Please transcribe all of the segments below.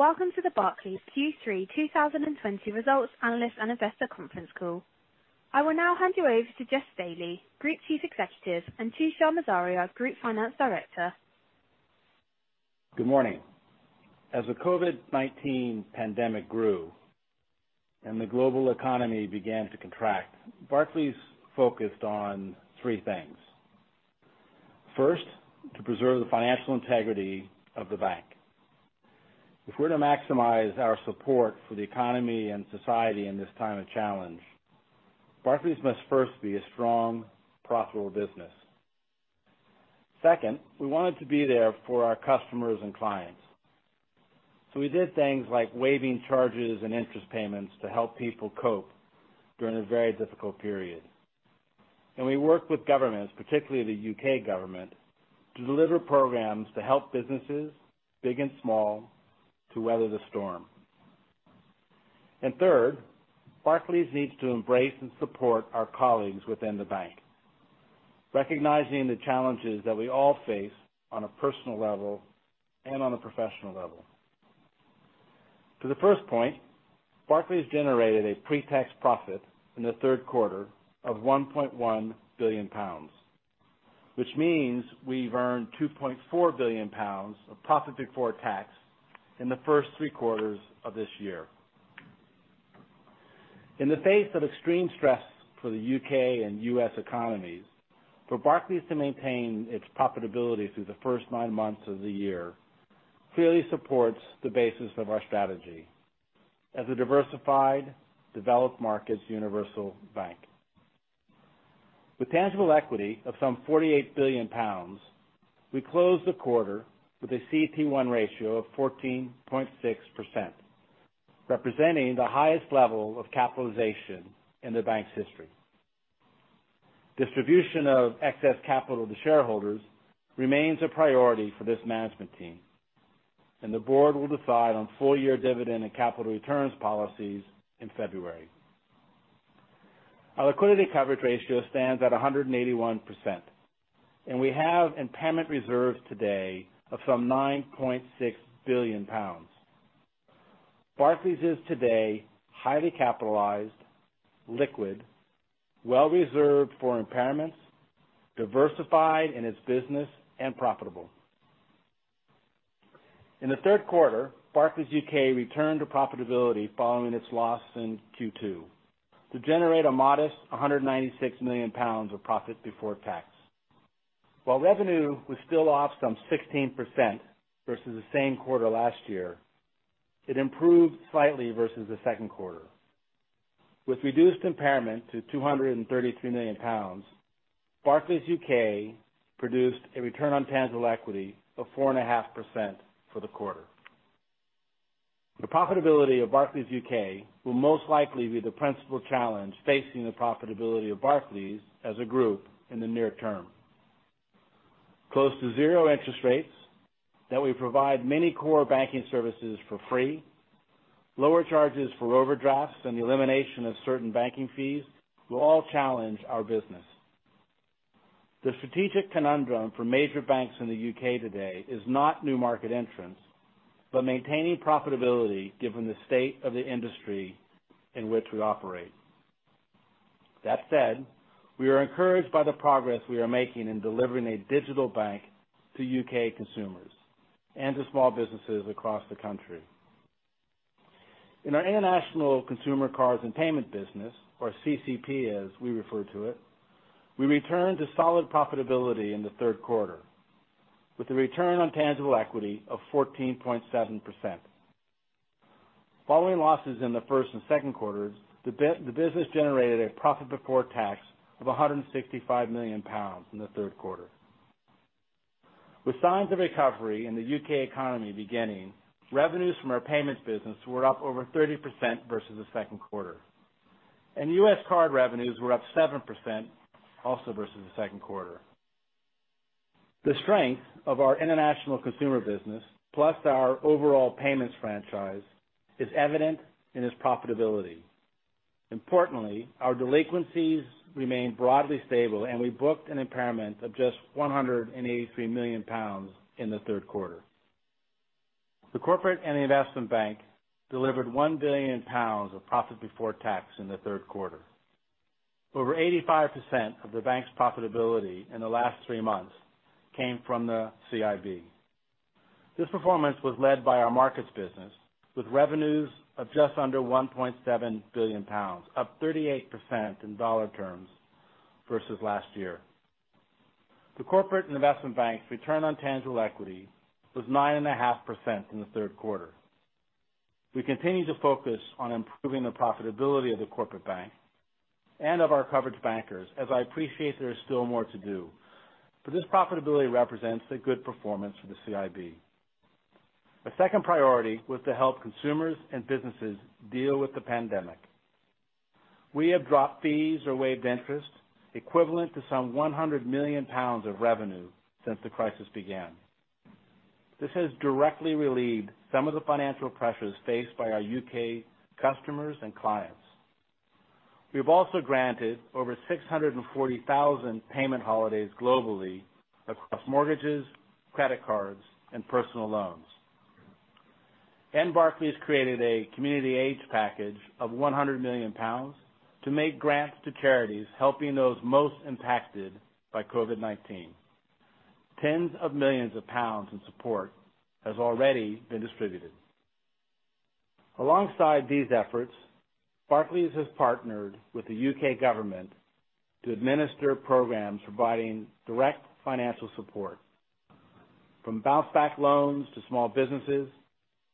Welcome to the Barclays Q3 2020 results analyst and investor conference call. I will now hand you over to Jes Staley, Group Chief Executive, and Tushar Morzaria, Group Finance Director. Good morning. As the COVID-19 pandemic grew and the global economy began to contract, Barclays focused on three things. First, to preserve the financial integrity of the bank. If we're to maximize our support for the economy and society in this time of challenge, Barclays must first be a strong, profitable business. Second, we wanted to be there for our customers and clients. We did things like waiving charges and interest payments to help people cope during a very difficult period. We worked with governments, particularly the U.K. government, to deliver programs to help businesses, big and small, to weather the storm. Third, Barclays needs to embrace and support our colleagues within the bank, recognizing the challenges that we all face on a personal level and on a professional level. To the first point, Barclays generated a pre-tax profit in the third quarter of 1.1 billion pounds, which means we've earned 2.4 billion pounds of profit before tax in the first three quarters of this year. In the face of extreme stress for the U.K. and U.S. economies, for Barclays to maintain its profitability through the first nine months of the year clearly supports the basis of our strategy as a diversified, developed markets universal bank. With tangible equity of some 48 billion pounds, we closed the quarter with a CET1 ratio of 14.6%, representing the highest level of capitalization in the bank's history. Distribution of excess capital to shareholders remains a priority for this management team, and the board will decide on full-year dividend and capital returns policies in February. Our liquidity coverage ratio stands at 181%, and we have impairment reserves today of some 9.6 billion pounds. Barclays is today highly capitalized, liquid, well reserved for impairments, diversified in its business, and profitable. In the third quarter, Barclays UK returned to profitability following its loss in Q2 to generate a modest 196 million pounds of profit before tax. While revenue was still off some 16% versus the same quarter last year, it improved slightly versus the second quarter. With reduced impairment to 233 million pounds, Barclays UK produced a return on tangible equity of 4.5% for the quarter. The profitability of Barclays UK will most likely be the principal challenge facing the profitability of Barclays as a group in the near term. Close to zero interest rates, that we provide many core banking services for free, lower charges for overdrafts, and the elimination of certain banking fees will all challenge our business. The strategic conundrum for major banks in the UK today is not new market entrants, but maintaining profitability given the state of the industry in which we operate. That said, we are encouraged by the progress we are making in delivering a digital bank to UK consumers and to small businesses across the country. In our international consumer cards and payment business, or CC&P as we refer to it, we returned to solid profitability in the third quarter with a return on tangible equity of 14.7%. Following losses in the first and second quarters, the business generated a profit before tax of 165 million pounds in the third quarter. With signs of recovery in the UK economy beginning, revenues from our payments business were up over 30% versus the second quarter, and US card revenues were up 7% also versus the second quarter. The strength of our international consumer business, plus our overall payments franchise, is evident in its profitability. Importantly, our delinquencies remain broadly stable, and we booked an impairment of just 183 million pounds in the third quarter. The Corporate and Investment Bank delivered 1 billion pounds of profit before tax in the third quarter. Over 85% of the bank's profitability in the last three months came from the CIB. This performance was led by our markets business, with revenues of just under 1.7 billion pounds, up 38% in dollar terms versus last year. The Corporate and Investment Bank's return on tangible equity was 9.5% in the third quarter. We continue to focus on improving the profitability of the Corporate Bank and of our coverage bankers, as I appreciate there is still more to do, but this profitability represents a good performance for the CIB. Our second priority was to help consumers and businesses deal with the pandemic. We have dropped fees or waived interest equivalent to some 100 million pounds of revenue since the crisis began. This has directly relieved some of the financial pressures faced by our U.K. customers and clients. We've also granted over 640,000 payment holidays globally across mortgages, credit cards, and personal loans. Barclays created a community aid package of 100 million pounds to make grants to charities helping those most impacted by COVID-19. Tens of millions of pounds in support has already been distributed. Alongside these efforts, Barclays has partnered with the U.K. government to administer programs providing direct financial support. From Bounce Back Loan to small businesses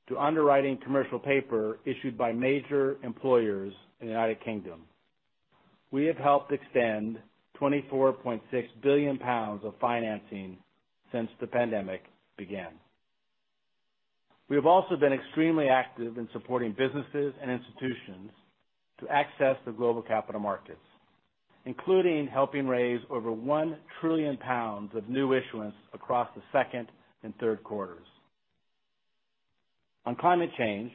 to underwriting commercial paper issued by major employers in the United Kingdom. We have helped extend 24.6 billion pounds of financing since the pandemic began. We have also been extremely active in supporting businesses and institutions to access the global capital markets, including helping raise over 1 trillion pounds of new issuance across the second and third quarters. On climate change,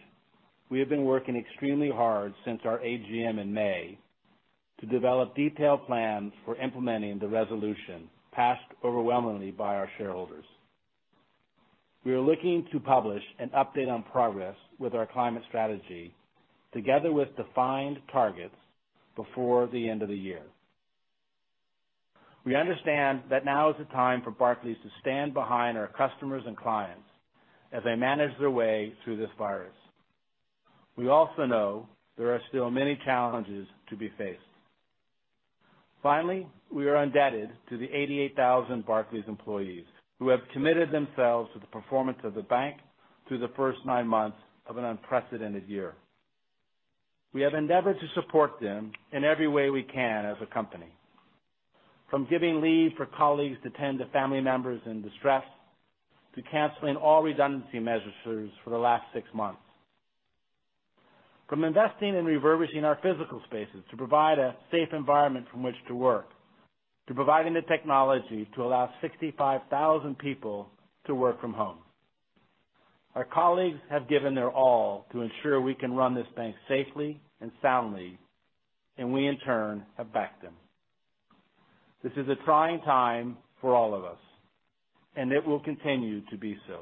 we have been working extremely hard since our AGM in May to develop detailed plans for implementing the resolution passed overwhelmingly by our shareholders. We are looking to publish an update on progress with our climate strategy, together with defined targets, before the end of the year. We understand that now is the time for Barclays to stand behind our customers and clients as they manage their way through this virus. We also know there are still many challenges to be faced. Finally, we are indebted to the 88,000 Barclays employees who have committed themselves to the performance of the bank through the first nine months of an unprecedented year. We have endeavored to support them in every way we can as a company. From giving leave for colleagues to tend to family members in distress, to canceling all redundancy measures for the last six months. From investing in refurbishing our physical spaces to provide a safe environment from which to work, to providing the technology to allow 65,000 people to work from home. Our colleagues have given their all to ensure we can run this bank safely and soundly, and we, in turn, have backed them. This is a trying time for all of us, and it will continue to be so.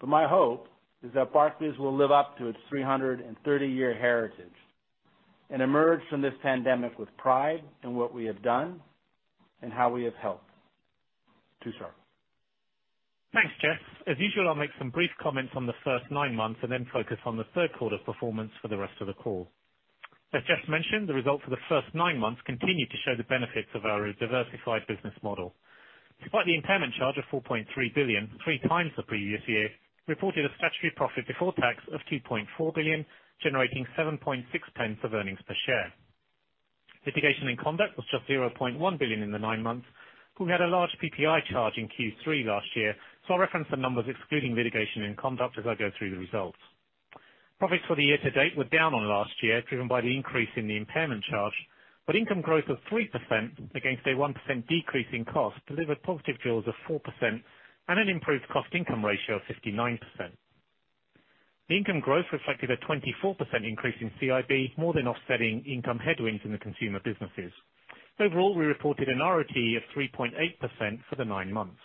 But my hope is that Barclays will live up to its 330-year heritage and emerge from this pandemic with pride in what we have done and how we have helped. Tushar. Thanks, Jes. As usual, I'll make some brief comments on the first nine months and then focus on the third quarter performance for the rest of the call. As Jes mentioned, the results for the first nine months continue to show the benefits of our diversified business model. Despite the impairment charge of 4.3 billion, three times the previous year, we reported a statutory profit before tax of 2.4 billion, generating 0.076 of earnings per share. Litigation and conduct was just 0.1 billion in the nine months, but we had a large PPI charge in Q3 last year. I'll reference the numbers excluding litigation and conduct as I go through the results. Profits for the year to date were down on last year, driven by the increase in the impairment charge. Income growth of 3% against a 1% decrease in cost delivered positive jaws of 4% and an improved cost-income ratio of 59%. The income growth reflected a 24% increase in CIB, more than offsetting income headwinds in the consumer businesses. Overall, we reported an RoTE of 3.8% for the nine months.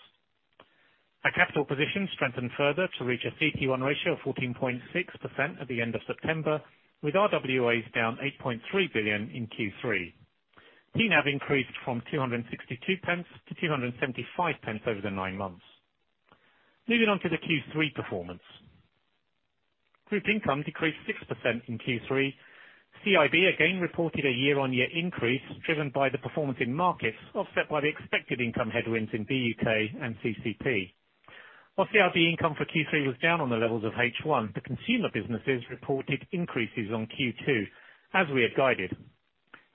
Our capital position strengthened further to reach a CET1 ratio of 14.6% at the end of September, with RWAs down 8.3 billion in Q3. NAV increased from 2.62-2.75 over the nine months. Moving on to the Q3 performance. Group income decreased 6% in Q3. CIB again reported a year-on-year increase, driven by the performance in markets, offset by the expected income headwinds in BUK and CC&P. While CIB income for Q3 was down on the levels of H1, the consumer businesses reported increases on Q2, as we had guided.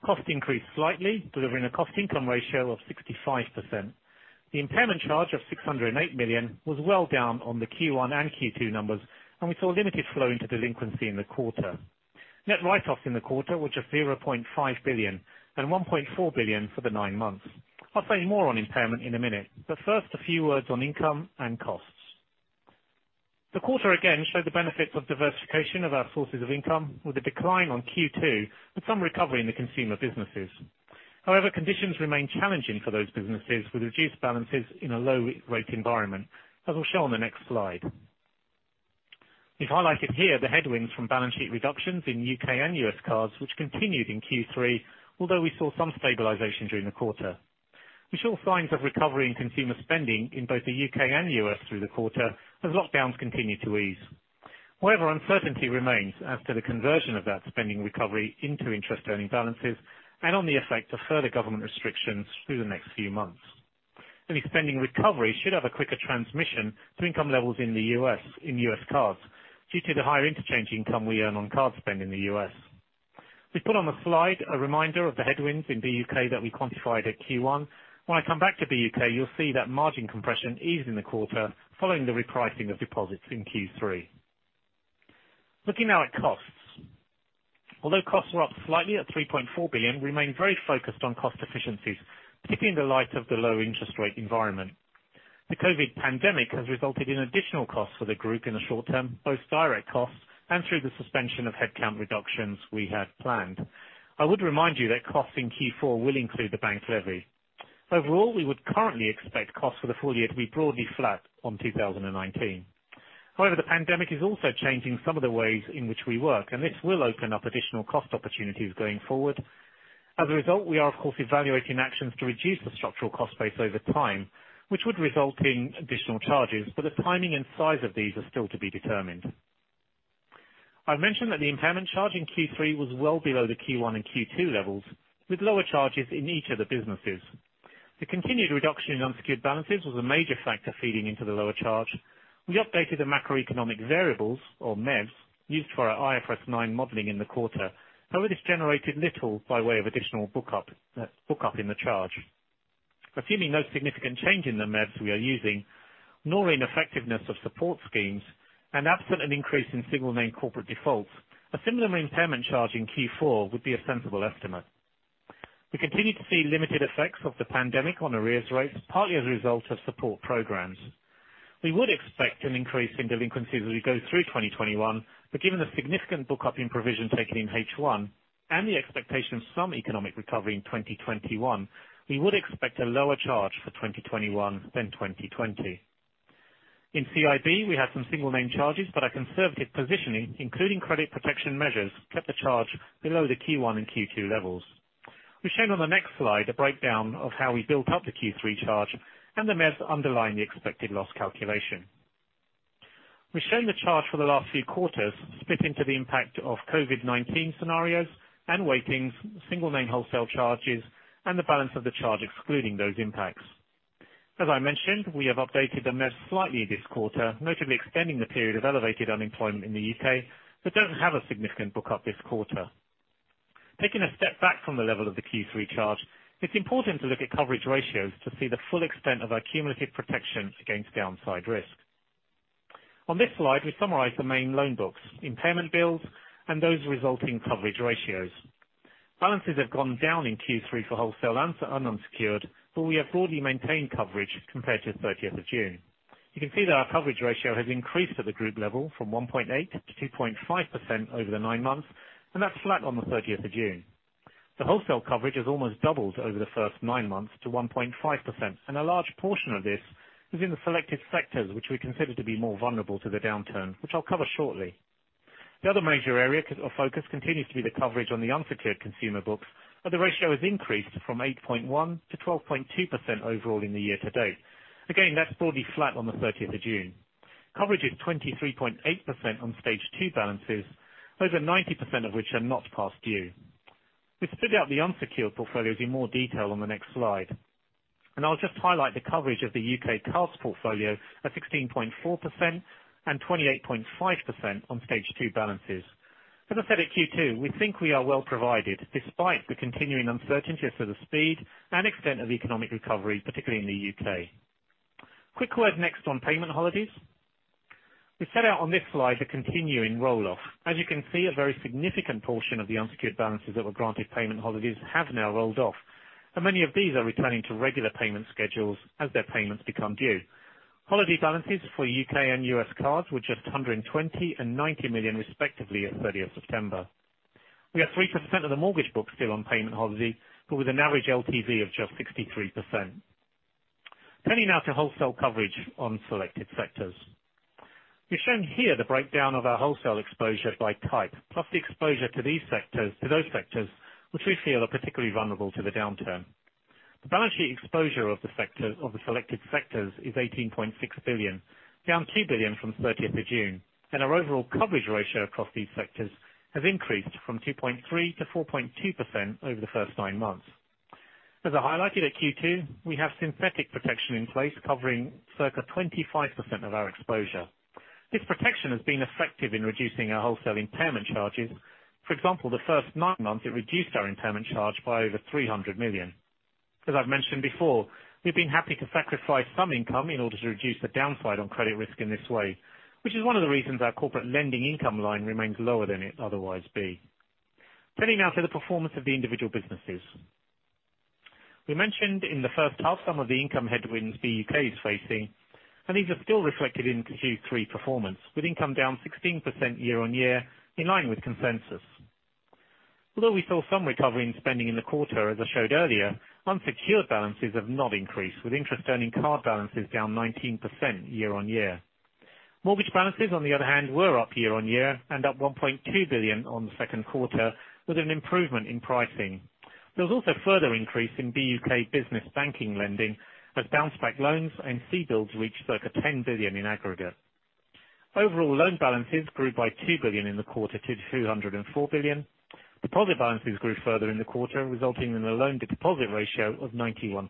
Costs increased slightly, delivering a cost-income ratio of 65%. The impairment charge of 608 million was well down on the Q1 and Q2 numbers, and we saw limited flow into delinquency in the quarter. Net write-offs in the quarter were just 0.5 billion, and 1.4 billion for the nine months. I'll say more on impairment in a minute, but first, a few words on income and costs. The quarter again showed the benefits of diversification of our sources of income, with a decline on Q2 and some recovery in the consumer businesses. However, conditions remain challenging for those businesses with reduced balances in a low rate environment, as I'll show on the next slide. We've highlighted here the headwinds from balance sheet reductions in U.K. and U.S. cards, which continued in Q3, although we saw some stabilization during the quarter. We saw signs of recovery in consumer spending in both the U.K. and U.S. through the quarter as lockdowns continued to ease. Uncertainty remains as to the conversion of that spending recovery into interest-earning balances and on the effect of further government restrictions through the next few months. Any spending recovery should have a quicker transmission to income levels in the U.S. in U.S. cards due to the higher interchange income we earn on card spend in the U.S. We put on the slide a reminder of the headwinds in BUK that we quantified at Q1. When I come back to BUK, you'll see that margin compression eased in the quarter following the repricing of deposits in Q3. Looking now at costs. Costs are up slightly at 3.4 billion, we remain very focused on cost efficiencies, particularly in the light of the low interest rate environment. The COVID pandemic has resulted in additional costs for the group in the short term, both direct costs and through the suspension of headcount reductions we had planned. I would remind you that costs in Q4 will include the bank's levy. Overall, we would currently expect costs for the full year to be broadly flat on 2019. The pandemic is also changing some of the ways in which we work, and this will open up additional cost opportunities going forward. We are, of course, evaluating actions to reduce the structural cost base over time, which would result in additional charges. The timing and size of these are still to be determined. I've mentioned that the impairment charge in Q3 was well below the Q1 and Q2 levels, with lower charges in each of the businesses. The continued reduction in unsecured balances was a major factor feeding into the lower charge. We updated the macroeconomic variables, or MEVs, used for our IFRS 9 modeling in the quarter. However, this generated little by way of additional book up in the charge. Assuming no significant change in the MEVs we are using, nor in effectiveness of support schemes, and absent an increase in single name corporate defaults, a similar impairment charge in Q4 would be a sensible estimate. We continue to see limited effects of the pandemic on arrears rates, partly as a result of support programs. We would expect an increase in delinquencies as we go through 2021, but given the significant book up in provision taken in H1, and the expectation of some economic recovery in 2021, we would expect a lower charge for 2021 than 2020. In CIB, we have some single name charges, but our conservative positioning, including credit protection measures, kept the charge below the Q1 and Q2 levels. We've shown on the next slide a breakdown of how we built up the Q3 charge and the MEVs underlying the expected loss calculation. We've shown the charge for the last few quarters split into the impact of COVID-19 scenarios and weightings, single name wholesale charges, and the balance of the charge excluding those impacts. As I mentioned, we have updated the MEVs slightly this quarter, notably extending the period of elevated unemployment in the U.K., but don't have a significant book up this quarter. Taking a step back from the level of the Q3 charge, it's important to look at coverage ratios to see the full extent of our cumulative protection against downside risk. On this slide, we summarize the main loan books, impairment bills, and those resulting coverage ratios. Balances have gone down in Q3 for wholesale and for unsecured, but we have broadly maintained coverage compared to the 30th of June. You can see that our coverage ratio has increased at the group level from 1.8%-2.5% over the nine months, and that's flat on the 30th of June. The wholesale coverage has almost doubled over the first nine months to 1.5%. A large portion of this is in the selected sectors, which we consider to be more vulnerable to the downturn, which I'll cover shortly. The other major area of focus continues to be the coverage on the unsecured consumer books, where the ratio has increased from 8.1%-12.2% overall in the year to date. That's broadly flat on the 30th of June. Coverage is 23.8% on stage two balances, over 90% of which are not past due. We've split out the unsecured portfolios in more detail on the next slide. I'll just highlight the coverage of the U.K. cards portfolio at 16.4% and 28.5% on stage two balances. As I said at Q2, we think we are well provided despite the continuing uncertainty as to the speed and extent of economic recovery, particularly in the U.K. Quick word next on payment holidays. We set out on this slide the continuing roll-off. As you can see, a very significant portion of the unsecured balances that were granted payment holidays have now rolled off, and many of these are returning to regular payment schedules as their payments become due. Holiday balances for U.K. and U.S. cards were just 120 million and $90 million respectively at 30th September. We have 3% of the mortgage book still on payment holiday, but with an average LTV of just 63%. Turning now to wholesale coverage on selected sectors. We have shown here the breakdown of our wholesale exposure by type, plus the exposure to those sectors which we feel are particularly vulnerable to the downturn. The balance sheet exposure of the selected sectors is 18.6 billion, down 2 billion from 30th of June, and our overall coverage ratio across these sectors has increased from 2.3%-4.2% over the first nine months. As I highlighted at Q2, we have synthetic protection in place covering circa 25% of our exposure. This protection has been effective in reducing our wholesale impairment charges. For example, the first nine months, it reduced our impairment charge by over 300 million. As I've mentioned before, we've been happy to sacrifice some income in order to reduce the downside on credit risk in this way, which is one of the reasons our corporate lending income line remains lower than it would otherwise be. Turning now to the performance of the individual businesses. We mentioned in the first half some of the income headwinds BUK is facing, and these are still reflected in Q3 performance, with income down 16% year-on-year in line with consensus. Although we saw some recovery in spending in the quarter, as I showed earlier, unsecured balances have not increased, with interest earning card balances down 19% year-on-year. Mortgage balances, on the other hand, were up year-on-year and up 1.2 billion on the second quarter, with an improvement in pricing. There was also further increase in BUK business banking lending as Bounce Back Loan and CBILS reached circa 10 billion in aggregate. Overall loan balances grew by 2 billion in the quarter to 204 billion. Deposit balances grew further in the quarter, resulting in a loan-to-deposit ratio of 91%.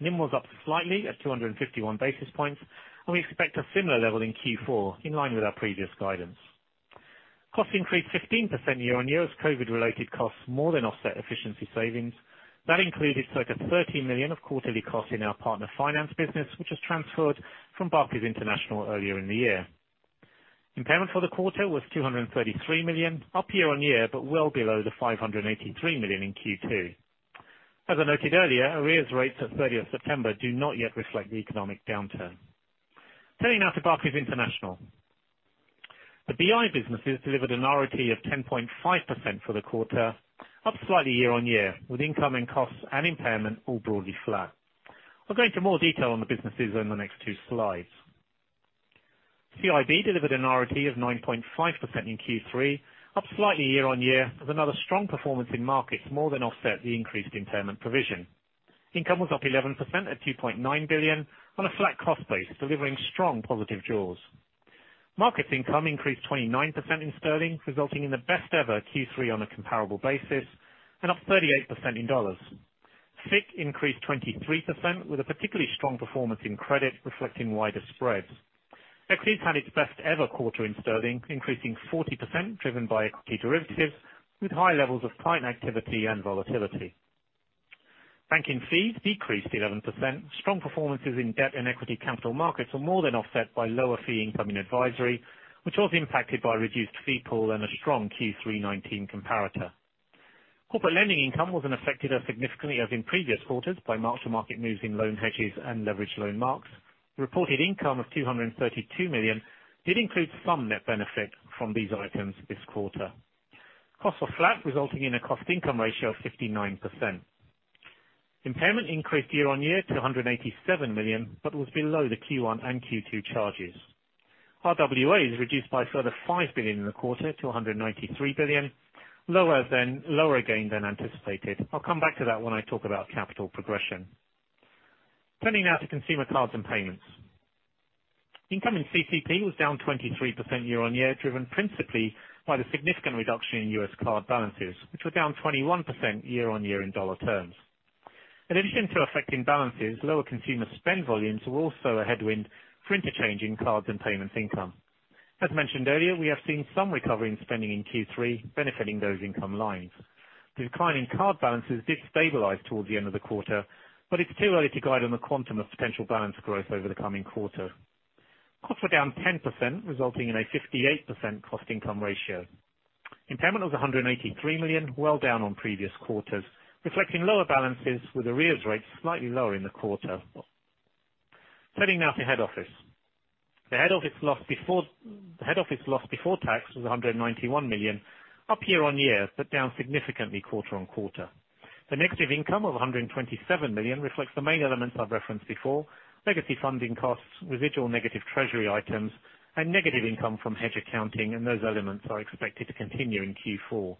NIM was up slightly at 251 basis points, and we expect a similar level in Q4, in line with our previous guidance. Costs increased 15% year-on-year as COVID related costs more than offset efficiency savings. That included circa 30 million of quarterly costs in our Barclays Partner Finance business, which was transferred from Barclays International earlier in the year. Impairment for the quarter was 233 million, up year-on-year, but well below the 583 million in Q2. As I noted earlier, arrears rates at 30th September do not yet reflect the economic downturn. Turning now to Barclays International. The BI businesses delivered an RoTE of 10.5% for the quarter, up slightly year-on-year, with income and costs and impairment all broadly flat. We will go into more detail on the businesses in the next two slides. CIB delivered an RoTE of 9.5% in Q3, up slightly year-on-year, with another strong performance in Markets more than offset the increased impairment provision. Income was up 11% at 2.9 billion on a flat cost base, delivering strong positive jaws. Markets income increased 29% in GBP, resulting in the best ever Q3 on a comparable basis, and up 38% in USD. FICC increased 23% with a particularly strong performance in credit reflecting wider spreads. Equities had its best ever quarter in GBP, increasing 40%, driven by equity derivatives with high levels of client activity and volatility. Banking fees decreased 11%. Strong performances in debt and equity capital markets were more than offset by lower fee income in advisory, which was impacted by reduced fee pool and a strong Q3 2019 comparator. Corporate lending income wasn't affected as significantly as in previous quarters by mark to market moves in loan hedges and leverage loan marks. The reported income of 232 million did include some net benefit from these items this quarter. Costs were flat, resulting in a cost income ratio of 59%. Impairment increased year-on-year to 187 million, but was below the Q1 and Q2 charges. RWAs reduced by a further 5 billion in the quarter to 193 billion, lower again than anticipated. I'll come back to that when I talk about capital progression. Turning now to consumer cards and payments. Income in CC&P was down 23% year-on-year, driven principally by the significant reduction in U.S. card balances, which were down 21% year-on-year in dollar terms. In addition to affecting balances, lower consumer spend volumes were also a headwind for interchange in cards and payments income. As mentioned earlier, we have seen some recovery in spending in Q3 benefiting those income lines. Decline in card balances did stabilize towards the end of the quarter, but it's too early to guide on the quantum of potential balance growth over the coming quarter. Costs are down 10%, resulting in a 58% cost income ratio. Impairment was 183 million, well down on previous quarters, reflecting lower balances with arrears rates slightly lower in the quarter. Turning now to head office. The head office loss before tax was 191 million, up year-on-year, but down significantly quarter-on-quarter. The negative income of 127 million reflects the main elements I've referenced before, legacy funding costs, residual negative treasury items, and negative income from hedge accounting, and those elements are expected to continue in Q4.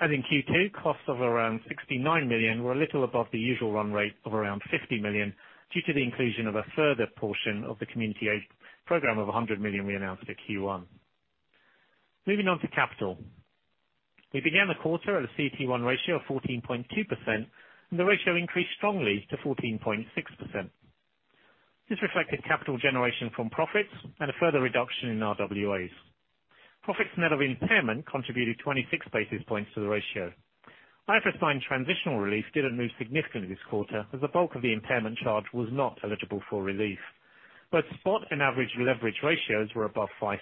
As in Q2, costs of around 69 million were a little above the usual run rate of around 50 million due to the inclusion of a further portion of the Community Aid Program of 100 million we announced at Q1. Moving on to capital. We began the quarter at a CET1 ratio of 14.2%. The ratio increased strongly to 14.6%. This reflected capital generation from profits and a further reduction in RWAs. Profits net of impairment contributed 26 basis points to the ratio. IFRS 9 transitional relief didn't move significantly this quarter, as the bulk of the impairment charge was not eligible for relief. Both spot and average leverage ratios were above 5%.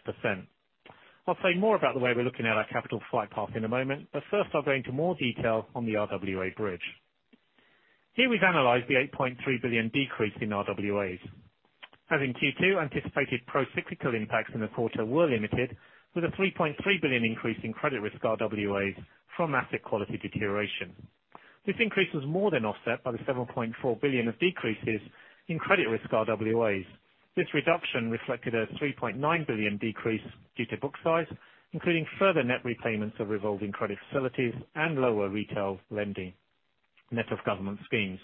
I'll say more about the way we're looking at our capital flight path in a moment. First, I'll go into more detail on the RWA bridge. Here we've analyzed the 8.3 billion decrease in RWAs. As in Q2, anticipated procyclical impacts in the quarter were limited, with a 3.3 billion increase in credit risk RWAs from asset quality deterioration. This increase was more than offset by the 7.4 billion of decreases in credit risk RWAs. This reduction reflected a 3.9 billion decrease due to book size, including further net repayments of revolving credit facilities and lower retail lending, net of government schemes.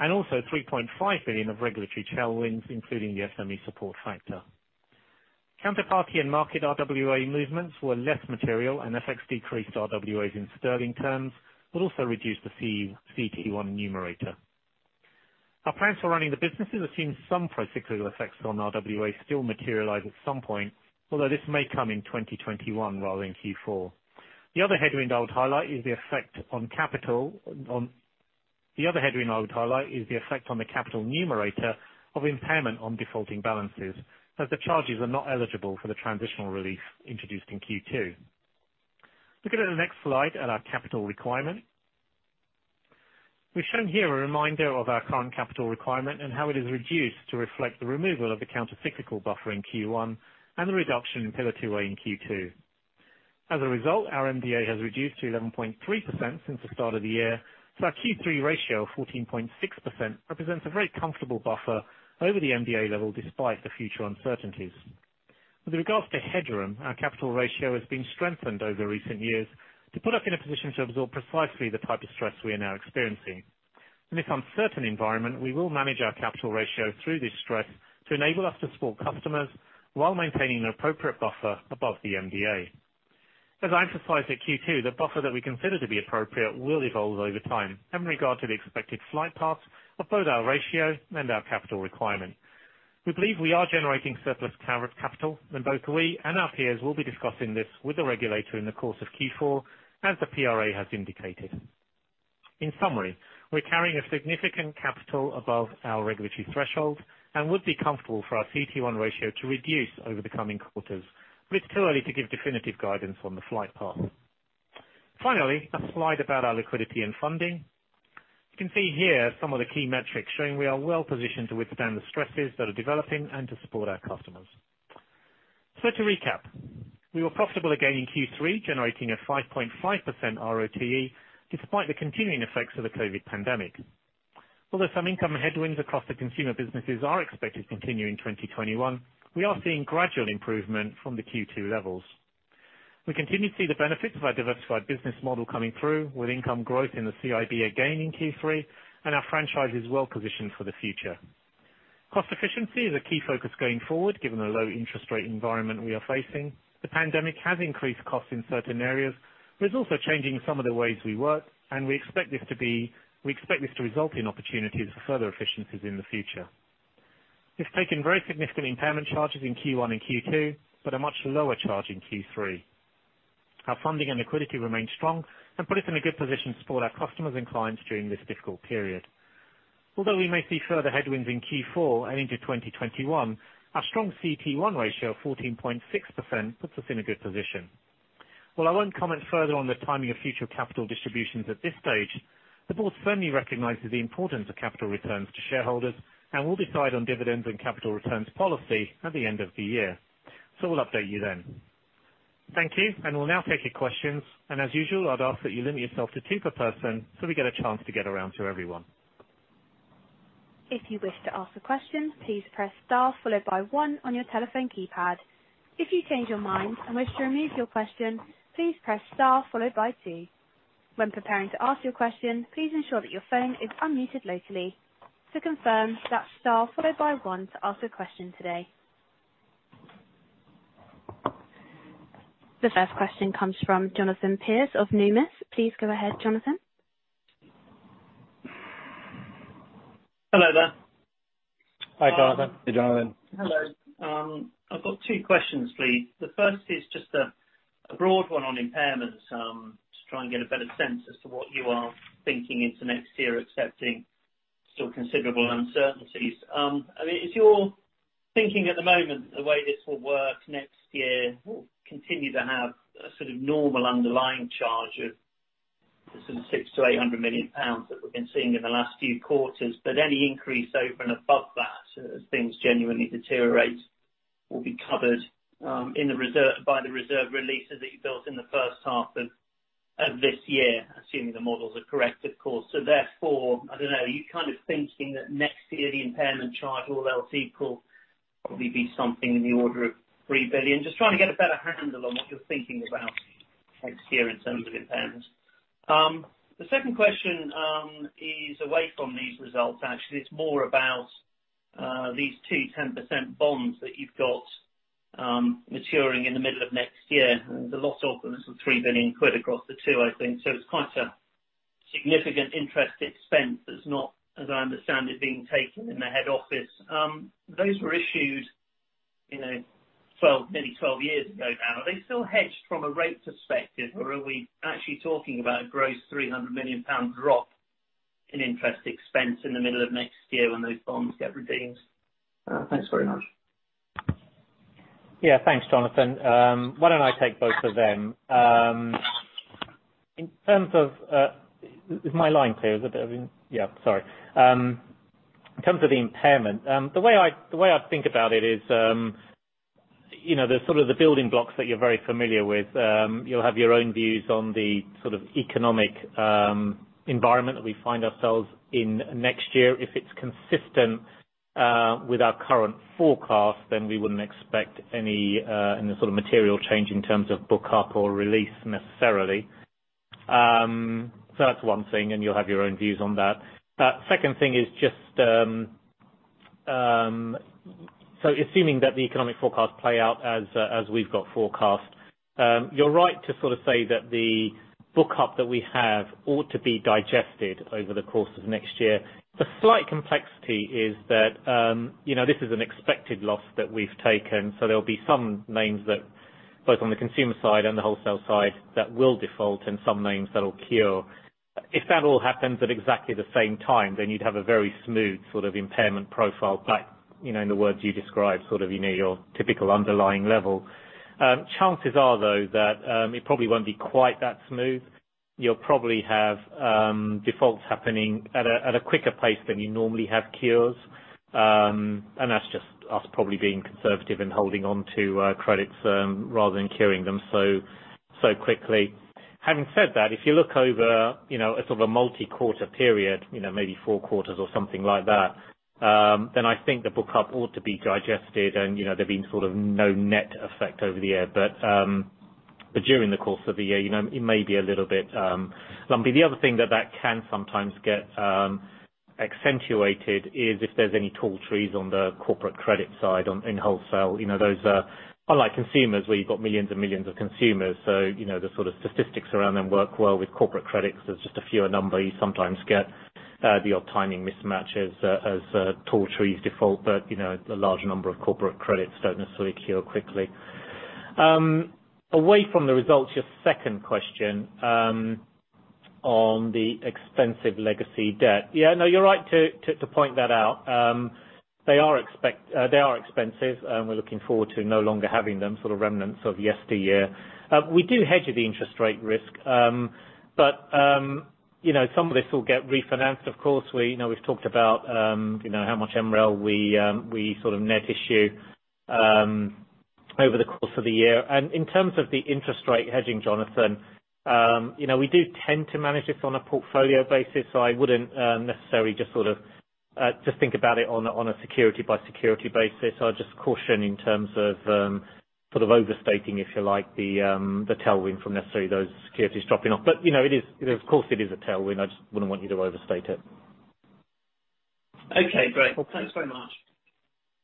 Also 3.5 billion of regulatory tailwinds, including the SME Supporting Factor. Counterparty and market RWA movements were less material, and FX decreased RWAs in sterling terms, but also reduced the CET1 numerator. Our plans for running the businesses assume some procyclical effects on RWA still materialize at some point, although this may come in 2021 rather than Q4. The other headwind I would highlight is the effect on the capital numerator of impairment on defaulting balances, as the charges are not eligible for the transitional relief introduced in Q2. Looking at the next slide at our capital requirement. We've shown here a reminder of our current capital requirement and how it is reduced to reflect the removal of the countercyclical buffer in Q1 and the reduction in Pillar 2A in Q2. Our MDA has reduced to 11.3% since the start of the year, so our Q3 ratio of 14.6% represents a very comfortable buffer over the MDA level despite the future uncertainties. With regards to headroom, our capital ratio has been strengthened over recent years to put us in a position to absorb precisely the type of stress we are now experiencing. In this uncertain environment, we will manage our capital ratio through this stress to enable us to support customers while maintaining an appropriate buffer above the MDA. As I emphasized at Q2, the buffer that we consider to be appropriate will evolve over time, having regard to the expected flight path of both our ratio and our capital requirement. We believe we are generating surplus capital, and both we and our peers will be discussing this with the regulator in the course of Q4, as the PRA has indicated. In summary, we're carrying a significant capital above our regulatory threshold and would be comfortable for our CET1 ratio to reduce over the coming quarters. It's too early to give definitive guidance on the flight path. Finally, a slide about our liquidity and funding. You can see here some of the key metrics showing we are well positioned to withstand the stresses that are developing and to support our customers. To recap, we were profitable again in Q3, generating a 5.5% RoTE despite the continuing effects of the COVID pandemic. Although some income headwinds across the consumer businesses are expected to continue in 2021, we are seeing gradual improvement from the Q2 levels. We continue to see the benefits of our diversified business model coming through with income growth in the CIB again in Q3. Our franchise is well positioned for the future. Cost efficiency is a key focus going forward, given the low interest rate environment we are facing. The pandemic has increased costs in certain areas. It's also changing some of the ways we work. We expect this to result in opportunities for further efficiencies in the future. We've taken very significant impairment charges in Q1 and Q2, but a much lower charge in Q3. Our funding and liquidity remain strong and put us in a good position to support our customers and clients during this difficult period. Although we may see further headwinds in Q4 and into 2021, our strong CET1 ratio of 14.6% puts us in a good position. While I won't comment further on the timing of future capital distributions at this stage, the board firmly recognizes the importance of capital returns to shareholders and will decide on dividends and capital returns policy at the end of the year. We'll update you then. Thank you. We'll now take your questions. As usual, I'd ask that you limit yourself to two per person so we get a chance to get around to everyone. If you wish to ask a question, please press star followed by one on your telephone keypad. If you change your mind and wish to remove your question, please press star followed by two. When preparing to ask your question, please ensure that your phone is unmuted locally. To confirm, that is star followed by one to ask a question today. The first question comes from Jonathan Pierce of Numis. Please go ahead, Jonathan. Hello there. Hi, Jonathan. Hi, Jonathan. Hello. I've got two questions, please. The first is just a broad one on impairments, to try and get a better sense as to what you are thinking into next year, excepting still considerable uncertainties. Is your thinking at the moment the way this will work next year, we'll continue to have a sort of normal underlying charge of some 600 million-800 million pounds that we've been seeing in the last few quarters, but any increase over and above that as things genuinely deteriorate will be covered by the reserve releases that you built in the first half of this year, assuming the models are correct, of course. Therefore, I don't know, are you kind of thinking that next year the impairment charge, all else equal, will probably be something in the order of 3 billion? Just trying to get a better handle on what you're thinking about next year in terms of impairments. The second question is away from these results actually. It's more about these two 10% bonds that you've got maturing in the middle of next year. There's a lot of them. There's some 3 billion quid across the two, I think. It's quite a significant interest expense that's not, as I understand it, being taken in the head office. Those were issued nearly 12 years ago now. Are they still hedged from a rate perspective, or are we actually talking about a gross 300 million pound drop in interest expense in the middle of next year when those bonds get redeemed? Thanks very much. Yeah, thanks, Jonathan. Why don't I take both of them? Is my line clear? Yeah, sorry. In terms of the impairment, the way I think about it is, there's sort of the building blocks that you're very familiar with. You'll have your own views on the sort of economic environment that we find ourselves in next year. If it's consistent with our current forecast, then we wouldn't expect any sort of material change in terms of book up or release necessarily. That's one thing, and you'll have your own views on that. Second thing is just, so assuming that the economic forecasts play out as we've got forecast, you're right to sort of say that the book up that we have ought to be digested over the course of next year. The slight complexity is that this is an expected loss that we've taken. There'll be some names that both on the consumer side and the wholesale side that will default and some names that will cure. If that all happens at exactly the same time, then you'd have a very smooth sort of impairment profile back, in the words you described, sort of your typical underlying level. Chances are, though, that it probably won't be quite that smooth. You'll probably have defaults happening at a quicker pace than you normally have cures. That's just us probably being conservative and holding onto credits rather than curing them so quickly. Having said that, if you look over a sort of a multi-quarter period, maybe four quarters or something like that, then I think the book up ought to be digested, and there being sort of no net effect over the year. During the course of the year, it may be a little bit lumpy. The other thing that can sometimes get accentuated is if there's any tall trees on the corporate credit side in wholesale. Unlike consumers, where you've got millions and millions of consumers, so the sort of statistics around them work well with corporate credits. There's just a fewer number. You sometimes get the odd timing mismatches as tall trees default. A large number of corporate credits don't necessarily cure quickly. Away from the results, your second question on the expensive legacy debt. Yeah. No, you're right to point that out. They are expensive, and we're looking forward to no longer having them. Sort of remnants of yesteryear. We do hedge the interest rate risk. Some of this will get refinanced. Of course, we've talked about how much MREL we net issue over the course of the year. In terms of the interest rate hedging, Jonathan, we do tend to manage this on a portfolio basis. I wouldn't necessarily just think about it on a security-by-security basis. I'd just caution in terms of overstating, if you like, the tailwind from necessarily those securities dropping off. Of course it is a tailwind. I just wouldn't want you to overstate it. Okay, great. Thanks very much.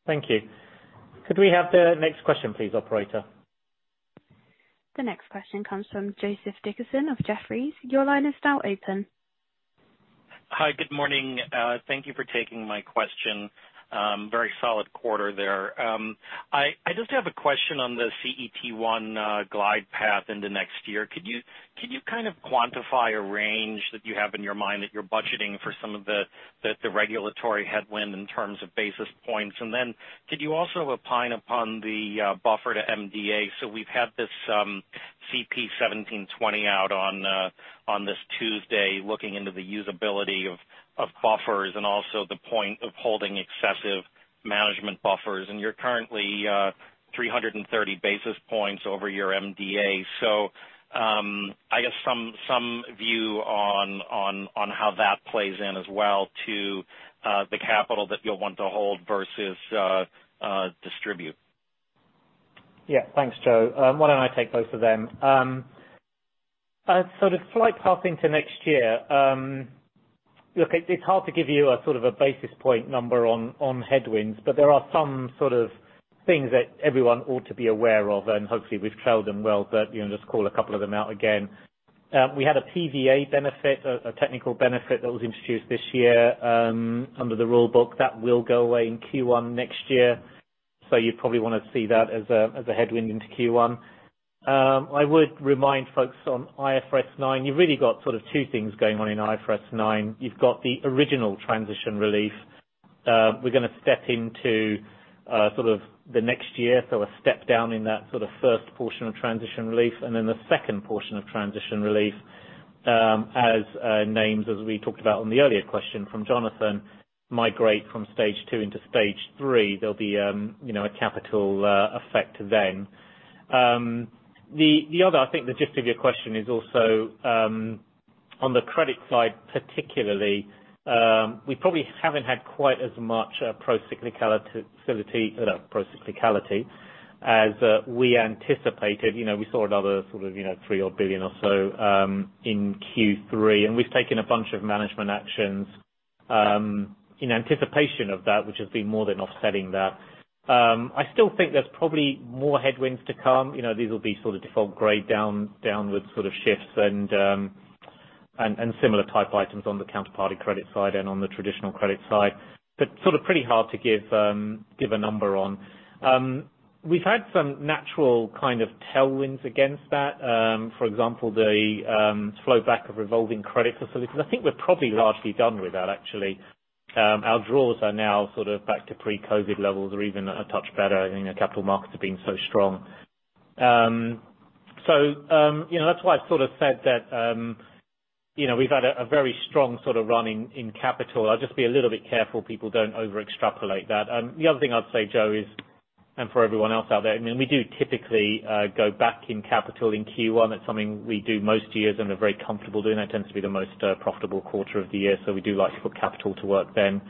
Thank you. Could we have the next question please, operator? The next question comes from Joseph Dickerson of Jefferies. Your line is now open. Hi. Good morning. Thank you for taking my question. Very solid quarter there. I just have a question on the CET1 glide path into next year. Could you kind of quantify a range that you have in your mind that you're budgeting for some of the regulatory headwind in terms of basis points? Could you also opine upon the buffer to MDA? We've had this CP17/20 out on this Tuesday looking into the usability of buffers and also the point of holding excessive management buffers. You're currently 330 basis points over your MDA. I guess some view on how that plays in as well to the capital that you'll want to hold versus distribute. Yeah. Thanks, Joe. Why don't I take both of them? The flight path into next year. Look, it's hard to give you a basis point number on headwinds, but there are some things that everyone ought to be aware of, and hopefully we've trailed them well. Just call a couple of them out again. We had a PVA benefit, a technical benefit that was introduced this year under the rule book. That will go away in Q1 next year, so you probably want to see that as a headwind into Q1. I would remind folks on IFRS 9, you've really got two things going on in IFRS 9. You've got the original transition relief. We're going to step into the next year, so a step down in that first portion of transition relief, and then the second portion of transition relief as names, as we talked about on the earlier question from Jonathan, migrate from stage 2 into stage 3. There'll be a capital effect then. I think the gist of your question is also on the credit side particularly. We probably haven't had quite as much procyclicality as we anticipated. We saw another GBP three odd billion or so in Q3, and we've taken a bunch of management actions in anticipation of that, which has been more than offsetting that. I still think there's probably more headwinds to come. These will be default grade downward shifts and similar type items on the counterparty credit side and on the traditional credit side. Sort of pretty hard to give a number on. We've had some natural kind of tailwinds against that. For example, the flow back of revolving credit facilities. I think we're probably largely done with that, actually. Our draws are now back to pre-COVID levels or even a touch better, capital markets have been so strong. That's why I said that we've had a very strong running in capital. I'll just be a little bit careful people don't overextrapolate that. The other thing I'd say, Joe, is, and for everyone else out there, we do typically go back in capital in Q1. That's something we do most years and are very comfortable doing. That tends to be the most profitable quarter of the year, so we do like to put capital to work then.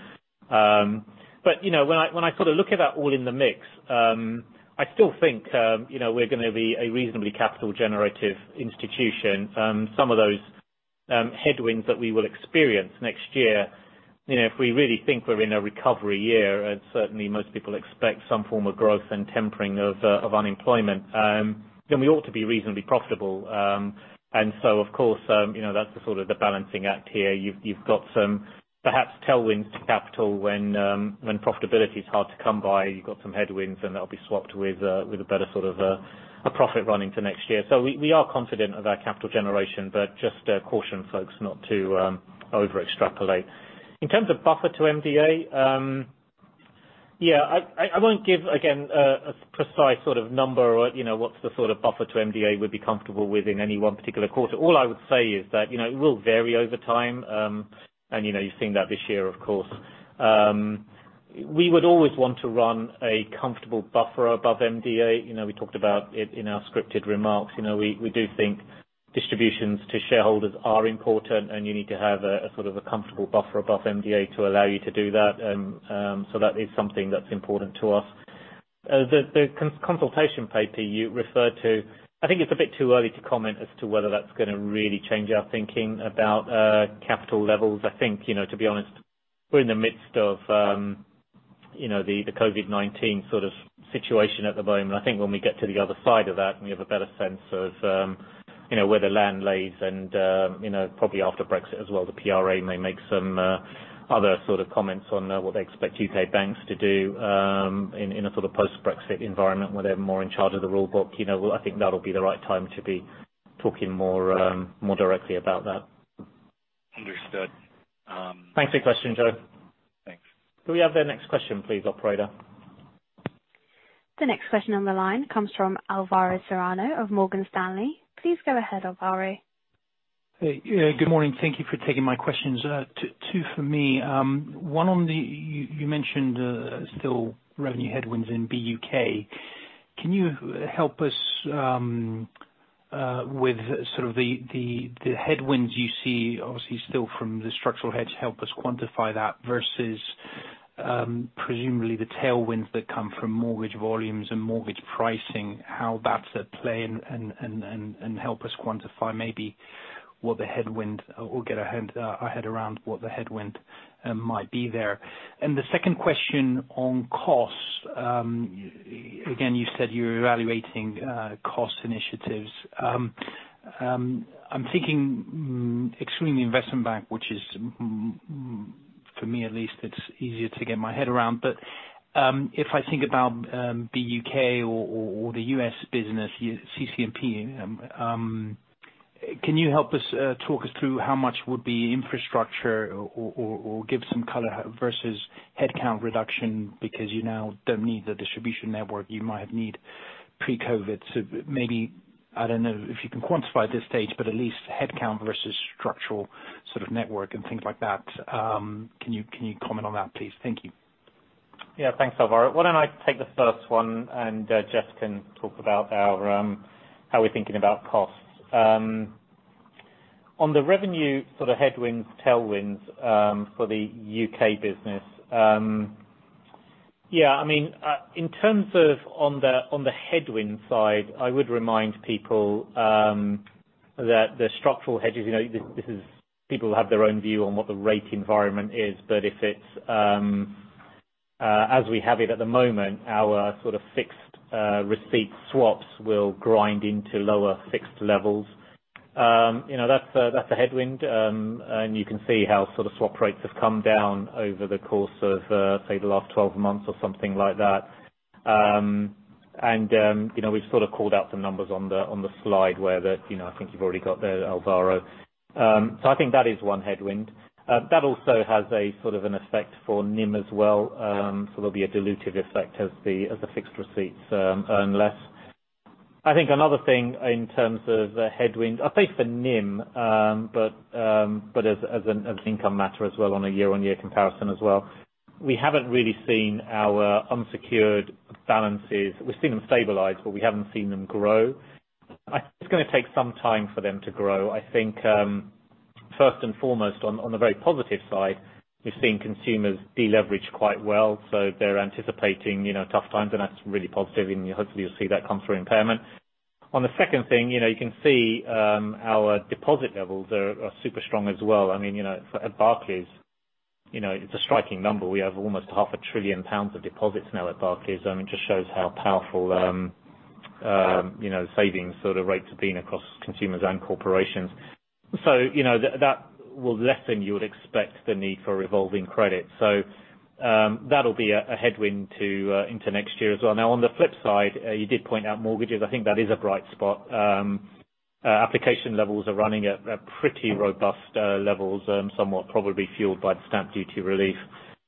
When I look at that all in the mix, I still think we're going to be a reasonably capital generative institution. Some of those headwinds that we will experience next year, if we really think we're in a recovery year, and certainly most people expect some form of growth and tempering of unemployment, then we ought to be reasonably profitable. Of course, that's the balancing act here. You've got some perhaps tailwind to capital when profitability is hard to come by. You've got some headwinds, and they'll be swapped with a better profit running to next year. We are confident of our capital generation, but just caution folks not to overextrapolate. In terms of buffer to MDA. Yeah, I won't give, again, a precise number or what's the sort of buffer to MDA we'd be comfortable with in any one particular quarter. All I would say is that it will vary over time. You've seen that this year, of course. We would always want to run a comfortable buffer above MDA. We talked about it in our scripted remarks. We do think distributions to shareholders are important, and you need to have a comfortable buffer above MDA to allow you to do that. That is something that's important to us. The consultation paper you referred to, I think it's a bit too early to comment as to whether that's going to really change our thinking about capital levels. I think, to be honest, we're in the midst of the COVID-19 situation at the moment. I think when we get to the other side of that, and we have a better sense of where the land lies and probably after Brexit as well, the PRA may make some other comments on what they expect U.K. banks to do in a sort of post-Brexit environment where they're more in charge of the rule book. I think that'll be the right time to be talking more directly about that. Understood. Thanks for your question, Joe. Thanks. Can we have the next question please, operator? The next question on the line comes from Alvaro Serrano of Morgan Stanley. Please go ahead, Alvaro. Hey. Good morning. Thank you for taking my questions. Two for me. One on the, you mentioned still revenue headwinds in BUK. Can you help us with sort of the headwinds you see, obviously, still from the structural hedge, help us quantify that versus presumably the tailwinds that come from mortgage volumes and mortgage pricing, how that's at play, and help us quantify maybe what the headwind, or get our head around what the headwind might be there. The second question on costs. Again, you said you're evaluating cost initiatives. I'm thinking extremely investment bank, which is for me at least, it's easier to get my head around. If I think about BUK or the U.S. business, CC&P, can you help talk us through how much would be infrastructure or give some color versus headcount reduction because you now don't need the distribution network you might have need pre-COVID? Maybe, I don't know if you can quantify at this stage, at least headcount versus structural sort of network and things like that, can you comment on that, please? Thank you. Thanks, Alvaro. Why don't I take the first one and Jes can talk about how we're thinking about costs. On the revenue sort of headwinds, tailwinds for the U.K. business. In terms of on the headwind side, I would remind people that the structural hedges, people have their own view on what the rate environment is, but if it's as we have it at the moment, our sort of fixed receipt swaps will grind into lower fixed levels. That's a headwind, you can see how swap rates have come down over the course of, say, the last 12 months or something like that. We've sort of called out some numbers on the slide where the I think you've already got that, Alvaro. I think that is one headwind. That also has a sort of an effect for NIM as well. There'll be a dilutive effect as the fixed receipts earn less. I think another thing in terms of the headwind, I say for NIM, but as an income matter as well, on a year-on-year comparison as well. We haven't really seen our unsecured balances. We've seen them stabilize, but we haven't seen them grow. I think it's going to take some time for them to grow. I think first and foremost, on the very positive side, we've seen consumers deleverage quite well. They're anticipating tough times, and that's really positive, and hopefully you'll see that come through impairment. On the second thing, you can see our deposit levels are super strong as well. At Barclays, it's a striking number. We have almost half a trillion pounds of deposits now at Barclays. It just shows how powerful savings rates have been across consumers and corporations. That will lessen, you would expect, the need for revolving credit. That'll be a headwind into next year as well. On the flip side, you did point out mortgages. I think that is a bright spot. Application levels are running at pretty robust levels, somewhat probably fueled by the stamp duty relief.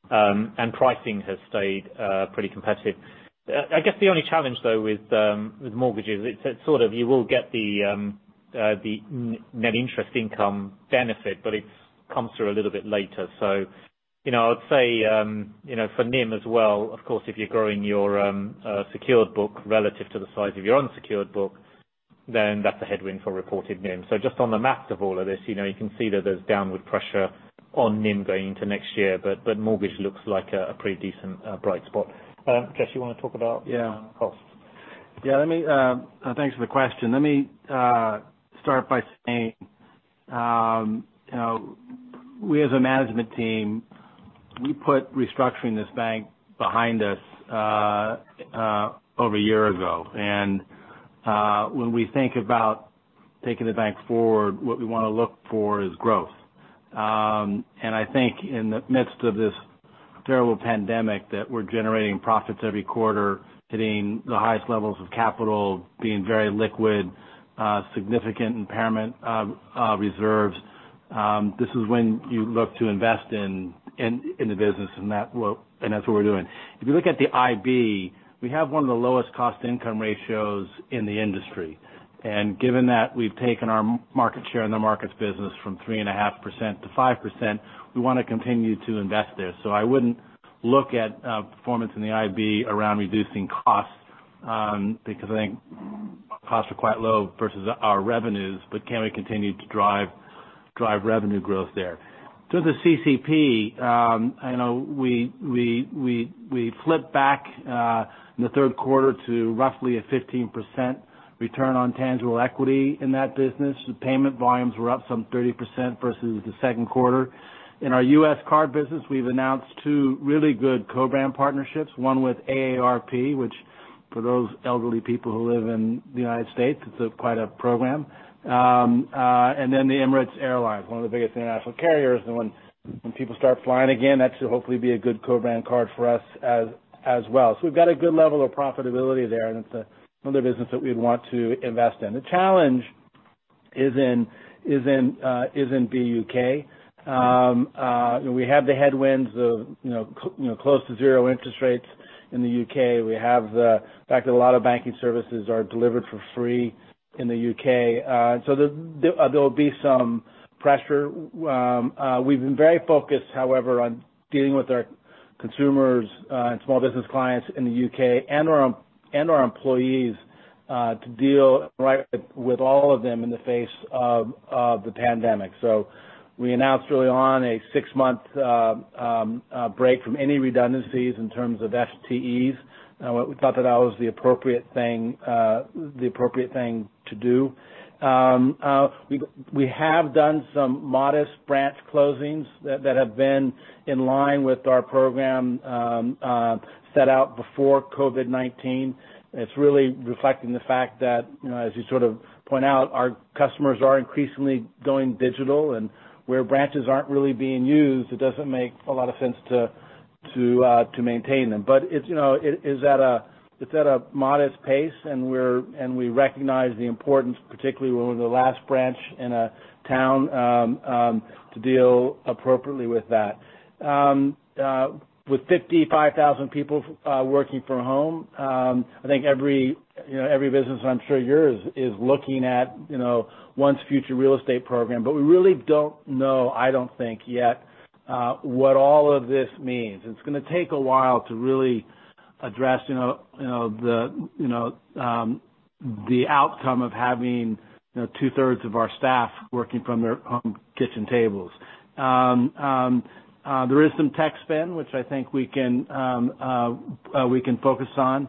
Pricing has stayed pretty competitive. I guess the only challenge though with mortgages, it's that you will get the net interest income benefit, but it comes through a little bit later. I would say for NIM as well, of course, if you're growing your secured book relative to the size of your unsecured book, then that's a headwind for reported NIM. Just on the maps of all of this, you can see that there's downward pressure on NIM going into next year, but mortgage looks like a pretty decent bright spot. Jes, you want to talk about costs? Yeah. Thanks for the question. Let me start by saying, we as a management team, we put restructuring this bank behind us over a year ago. When we think about taking the bank forward, what we want to look for is growth. I think in the midst of this terrible pandemic, that we're generating profits every quarter, hitting the highest levels of capital, being very liquid, significant impairment reserves. This is when you look to invest in the business, and that's what we're doing. If you look at the CIB, we have one of the lowest cost income ratios in the industry. Given that we've taken our market share in the markets business from 3.5%-5%, we want to continue to invest there. I wouldn't look at performance in the IB around reducing costs, because I think costs are quite low versus our revenues, but can we continue to drive revenue growth there? To the CC&P, we flipped back in the third quarter to roughly a 15% return on tangible equity in that business. The payment volumes were up some 30% versus the second quarter. In our U.S. card business, we've announced two really good co-brand partnerships, one with AARP, which for those elderly people who live in the United States, it's quite a program. The Emirates Airline, one of the biggest international carriers. When people start flying again, that should hopefully be a good co-brand card for us as well. We've got a good level of profitability there, and it's another business that we'd want to invest in. The challenge is in BUK. We have the headwinds of close to zero interest rates in the U.K. We have the fact that a lot of banking services are delivered for free in the U.K. There'll be some pressure. We've been very focused, however, on dealing with our consumers and small business clients in the U.K. and our employees to deal with all of them in the face of the pandemic. We announced early on a six-month break from any redundancies in terms of FTEs. We thought that that was the appropriate thing to do. We have done some modest branch closings that have been in line with our program set out before COVID-19. It's really reflecting the fact that, as you sort of point out, our customers are increasingly going digital, and where branches aren't really being used, it doesn't make a lot of sense to maintain them. It's at a modest pace, and we recognize the importance, particularly when we're the last branch in a town, to deal appropriately with that. With 55,000 people working from home, I think every business, I'm sure yours, is looking at one's future real estate program. We really don't know, I don't think yet, what all of this means. It's going to take a while to really address the outcome of having two-thirds of our staff working from their home kitchen tables. There is some tech spend, which I think we can focus on.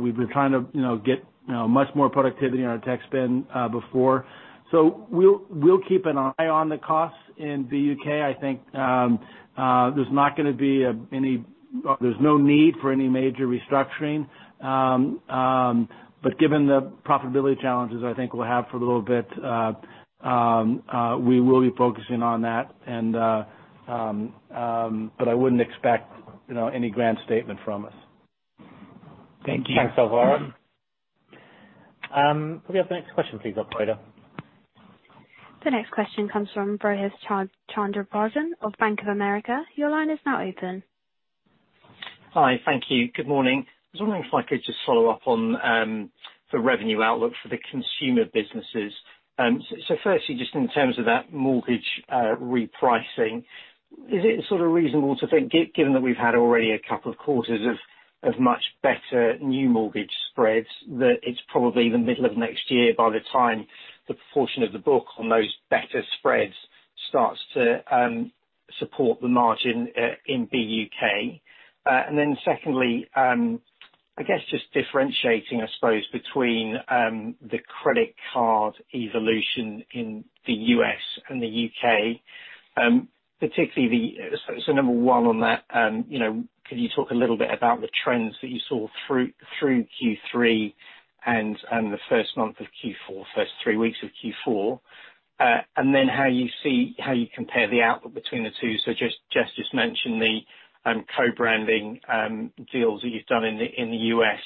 We've been trying to get much more productivity on our tech spend before. We'll keep an eye on the costs in BUK. I think there's no need for any major restructuring. Given the profitability challenges I think we'll have for a little bit, we will be focusing on that. I wouldn't expect any grand statement from us. Thank you. Thanks, Alvaro. Could we have the next question please, operator? The next question comes from Rohith Chandra-Rajan of Bank of America. Your line is now open. Hi. Thank you. Good morning. I was wondering if I could just follow up on the revenue outlook for the consumer businesses. Firstly, just in terms of that mortgage repricing, is it sort of reasonable to think, given that we've had already a couple of quarters of much better new mortgage spreads, that it's probably the middle of next year by the time the proportion of the book on those better spreads starts to support the margin in BUK? Secondly, I guess just differentiating, I suppose, between the credit card evolution in the U.S. and the U.K. Number 1 on that, could you talk a little bit about the trends that you saw through Q3 and the first month of Q4, first three weeks of Q4? How you compare the output between the two. Jes just mentioned the co-branding deals that you've done in the U.S.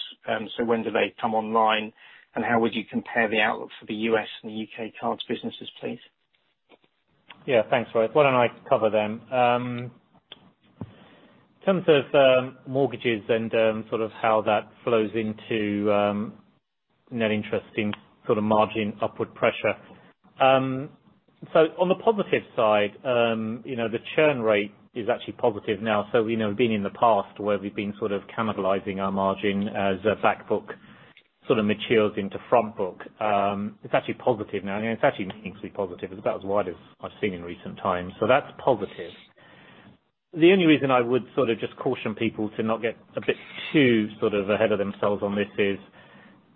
When do they come online, and how would you compare the outlook for the U.S. and the U.K. cards businesses, please? Yeah. Thanks, Rohith. Why don't I cover them? In terms of mortgages and how that flows into net interest in margin upward pressure. On the positive side, the churn rate is actually positive now. We know been in the past where we've been sort of cannibalizing our margin as the back book sort of matures into front book. It's actually positive now. It's actually meaningfully positive. It's about as wide as I've seen in recent times. That's positive. The only reason I would sort of just caution people to not get a bit too sort of ahead of themselves on this is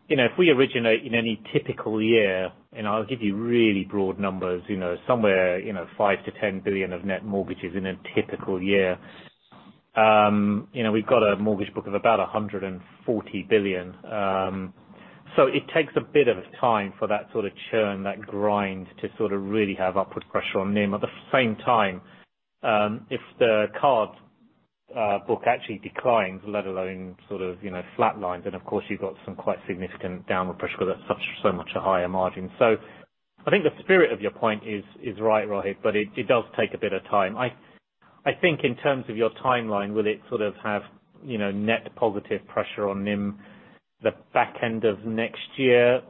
if we originate in any typical year, and I'll give you really broad numbers, somewhere 5 billion-10 billion of net mortgages in a typical year. We've got a mortgage book of about 140 billion. It takes a bit of time for that sort of churn, that grind to sort of really have upward pressure on NIM. At the same time, if the card book actually declines, let alone sort of flat lines, then of course you've got some quite significant downward pressure because that's so much a higher margin. I think the spirit of your point is right, Rohith, but it does take a bit of time. I think in terms of your timeline, will it sort of have net positive pressure on NIM the back end of next year?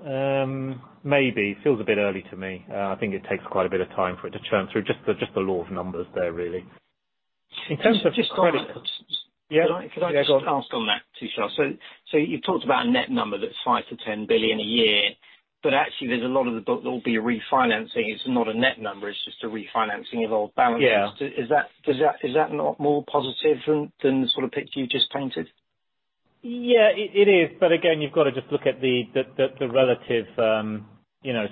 Maybe. It feels a bit early to me. I think it takes quite a bit of time for it to churn through. Just the law of numbers there, really. Just on that. Yeah. Could I just ask on that too, Tushar? You talked about a net number that's 5 billion-10 billion a year, actually there's a lot of the book that will be a refinancing. It's not a net number. It's just a refinancing of old balances. Yeah. Is that not more positive than the sort of picture you just painted? Yeah, it is. Again, you've got to just look at the relative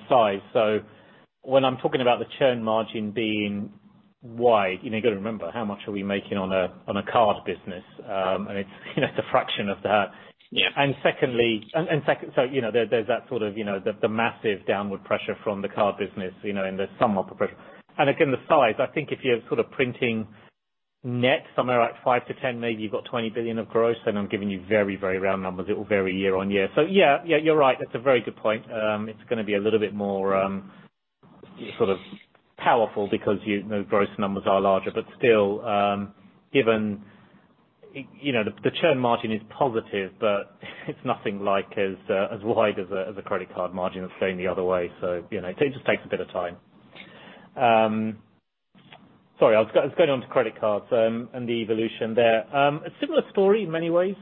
size. When I'm talking about the churn margin being. Why? You got to remember, how much are we making on a card business? It's a fraction of that. Yeah. Second, there's that sort of massive downward pressure from the card business, and there's somewhat of pressure. Again, the size, I think if you're sort of printing net somewhere like 5-10, maybe you've got 20 billion of gross, and I'm giving you very round numbers. It will vary year-on-year. Yeah, you're right. That's a very good point. It's going to be a little bit more sort of powerful because the gross numbers are larger. But still, the churn margin is positive, but it's nothing as wide as a credit card margin that's going the other way. It just takes a bit of time. Sorry, I was going onto credit cards and the evolution there. A similar story in many ways.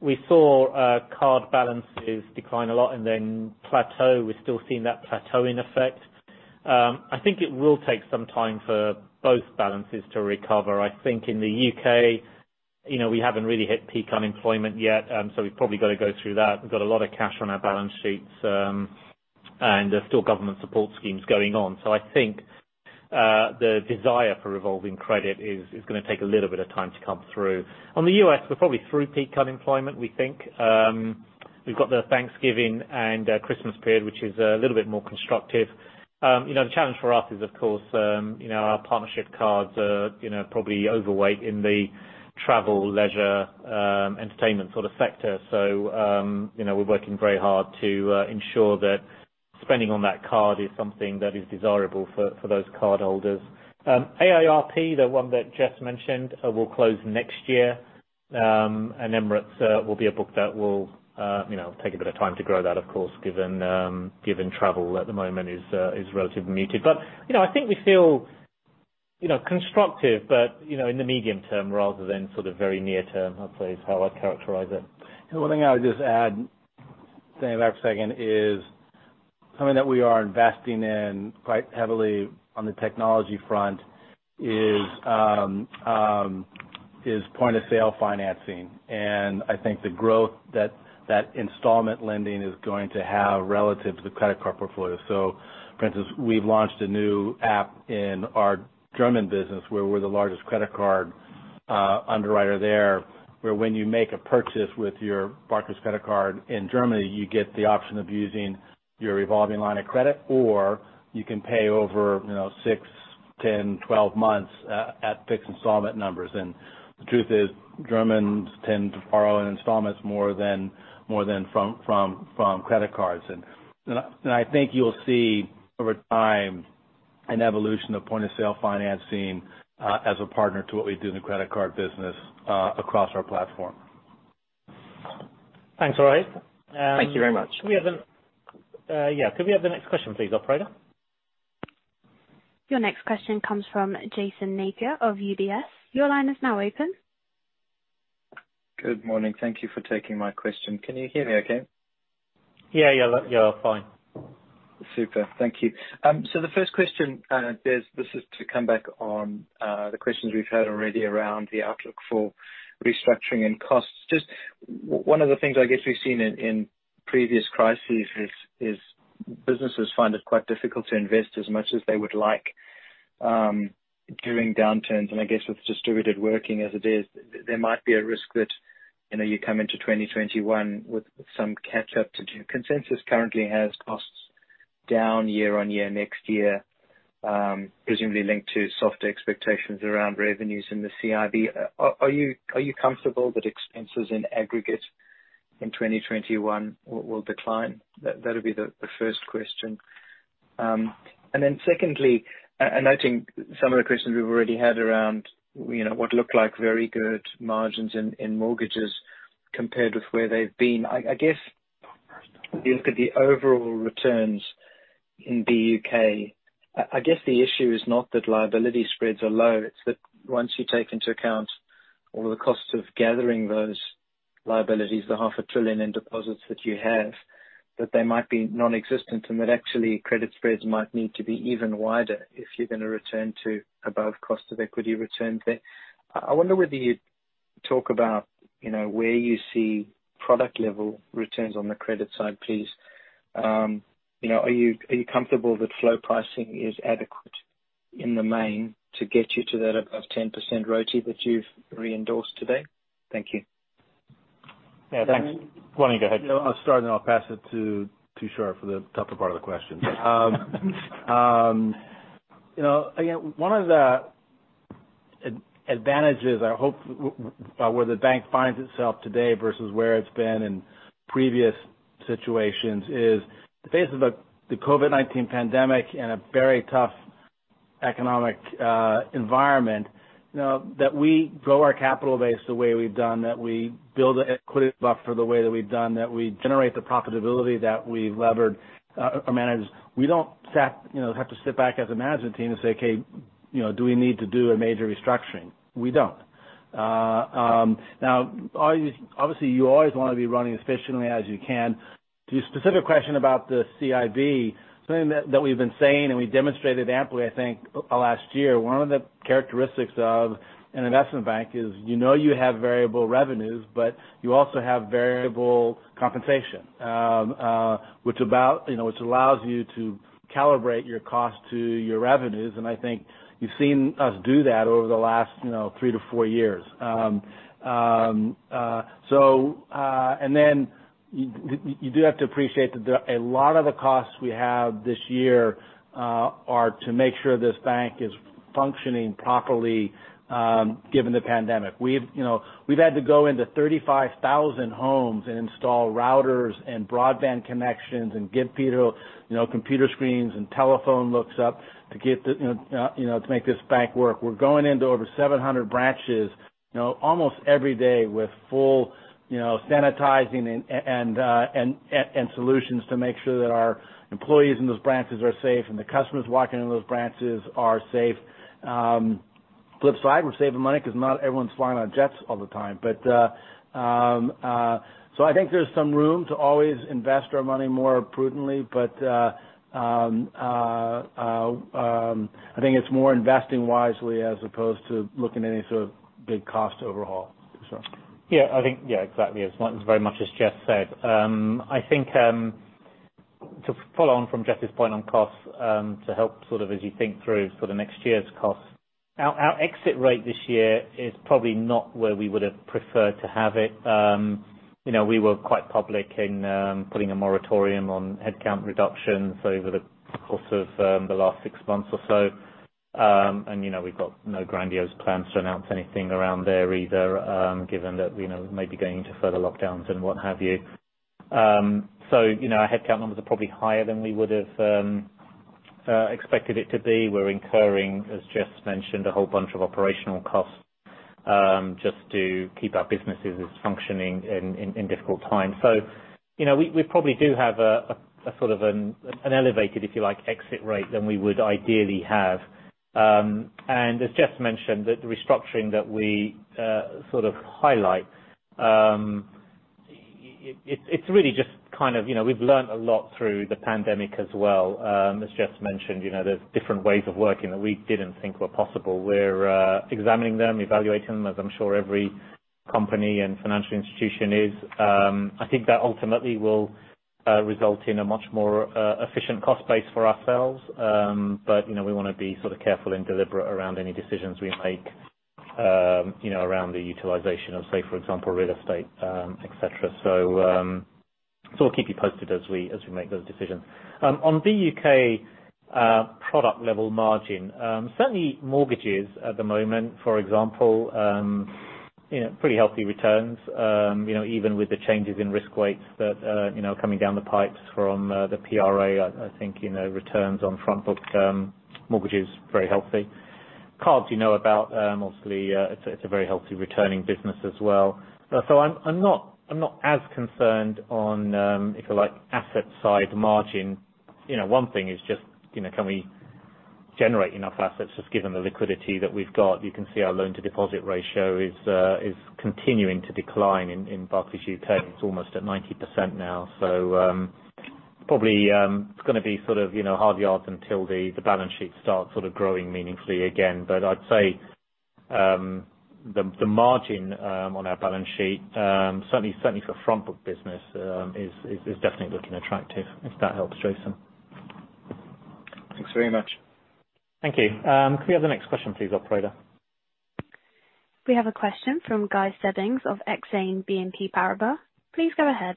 We saw card balances decline a lot and then plateau. We're still seeing that plateauing effect. I think it will take some time for both balances to recover. I think in the U.K., we haven't really hit peak unemployment yet, so we've probably got to go through that. We've got a lot of cash on our balance sheets, and there are still government support schemes going on. I think, the desire for revolving credit is going to take a little bit of time to come through. On the U.S., we're probably through peak unemployment, we think. We've got the Thanksgiving and Christmas period, which is a little bit more constructive. The challenge for us is, of course, our partnership cards are probably overweight in the travel, leisure, entertainment sort of sector. We're working very hard to ensure that spending on that card is something that is desirable for those cardholders. AARP, the one that Jes mentioned, will close next year, and Emirates will be a book that will take a bit of time to grow that, of course, given travel at the moment is relatively muted. I think we feel constructive, but in the medium term rather than sort of very near term, I'd say, is how I'd characterize it. The one thing I would just add, saying that for a second, is something that we are investing in quite heavily on the technology front is point-of-sale financing. I think the growth that installment lending is going to have relative to the credit card portfolio. For instance, we've launched a new app in our German business where we're the largest credit card underwriter there, where when you make a purchase with your Barclays credit card in Germany, you get the option of using your revolving line of credit, or you can pay over six, 10, 12 months at fixed installment numbers. The truth is, Germans tend to borrow in installments more than from credit cards. I think you'll see over time an evolution of point-of-sale financing as a partner to what we do in the credit card business across our platform. Thanks, Rohith. Thank you very much. Yeah. Could we have the next question please, operator? Your next question comes from Jason Napier of UBS. Your line is now open. Good morning. Thank you for taking my question. Can you hear me okay? Yeah, you're fine. Super. Thank you. The first question, this is to come back on the questions we've had already around the outlook for restructuring and costs. Just one of the things I guess we've seen in previous crises is businesses find it quite difficult to invest as much as they would like during downturns. I guess with distributed working as it is, there might be a risk that you come into 2021 with some catch-up to do. Consensus currently has costs down year-on-year next year, presumably linked to softer expectations around revenues in the CIB. Are you comfortable that expenses in aggregate in 2021 will decline? That would be the first question. Secondly, I think some of the questions we've already had around what looked like very good margins in mortgages compared with where they've been. I guess if you look at the overall returns in the U.K., I guess the issue is not that liability spreads are low, it's that once you take into account all the costs of gathering those liabilities, the half a trillion in deposits that you have, that they might be non-existent and that actually credit spreads might need to be even wider if you're going to return to above cost of equity returns there. I wonder whether you'd talk about where you see product level returns on the credit side, please. Are you comfortable that flow pricing is adequate in the main to get you to that above 10% RoTE that you've reendorsed today? Thank you. Yeah, thanks. Why don't you go ahead? I'll start and then I'll pass it to Tushar for the tougher part of the question. One of the advantages I hope about where the bank finds itself today versus where it's been in previous situations is the face of the COVID-19 pandemic and a very tough economic environment. That we grow our capital base the way we've done, that we build an equity buffer the way that we've done, that we generate the profitability that we've levered or managed. We don't have to sit back as a management team and say, "Okay, do we need to do a major restructuring?" We don't. Obviously, you always want to be running efficiently as you can. To your specific question about the CIB, something that we've been saying, and we demonstrated amply, I think, last year, one of the characteristics of an investment bank is you know you have variable revenues, but you also have variable compensation, which allows you to calibrate your cost to your revenues, and I think you've seen us do that over the last three to four years. Then you do have to appreciate that a lot of the costs we have this year are to make sure this bank is functioning properly given the pandemic. We've had to go into 35,000 homes and install routers and broadband connections and give people computer screens and telephone hookups to make this bank work. We're going into over 700 branches almost every day with full sanitizing and solutions to make sure that our employees in those branches are safe, and the customers walking into those branches are safe. Flip side, we're saving money because not everyone's flying on jets all the time. I think there's some room to always invest our money more prudently, but I think it's more investing wisely as opposed to looking at any sort of big cost overhaul. Yeah, exactly. It's very much as Jes said. I think to follow on from Jes's point on costs, to help sort of as you think through for the next year's costs. Our exit rate this year is probably not where we would have preferred to have it. We were quite public in putting a moratorium on headcount reductions over the course of the last six months or so. We've got no grandiose plans to announce anything around there either, given that we may be going into further lockdowns and what have you. Our headcount numbers are probably higher than we would have expected it to be. We're incurring, as Jes mentioned, a whole bunch of operational costs just to keep our businesses functioning in difficult times. We probably do have a sort of an elevated, if you like, exit rate than we would ideally have. As Jes mentioned, the restructuring that we sort of highlight, it's really just we've learned a lot through the pandemic as well. As Jes mentioned, there's different ways of working that we didn't think were possible. We're examining them, evaluating them, as I'm sure every company and financial institution is. I think that ultimately will result in a much more efficient cost base for ourselves. We want to be careful and deliberate around any decisions we make around the utilization of, say, for example, real estate, et cetera. We'll keep you posted as we make those decisions. On the U.K. product level margin, certainly mortgages at the moment, for example, pretty healthy returns, even with the changes in risk weights that are coming down the pipes from the PRA. I think returns on front book mortgages, very healthy. Cards you know about. Obviously, it's a very healthy returning business as well. I'm not as concerned on, if you like, asset side margin. One thing is just can we generate enough assets just given the liquidity that we've got? You can see our loan-to-deposit ratio is continuing to decline in Barclays UK. It's almost at 90% now. Probably it's going to be sort of hard yards until the balance sheet starts growing meaningfully again. I'd say the margin on our balance sheet, certainly for front book business, is definitely looking attractive, if that helps, Jason. Thanks very much. Thank you. Can we have the next question please, operator? We have a question from Guy Stebbings of Exane BNP Paribas. Please go ahead.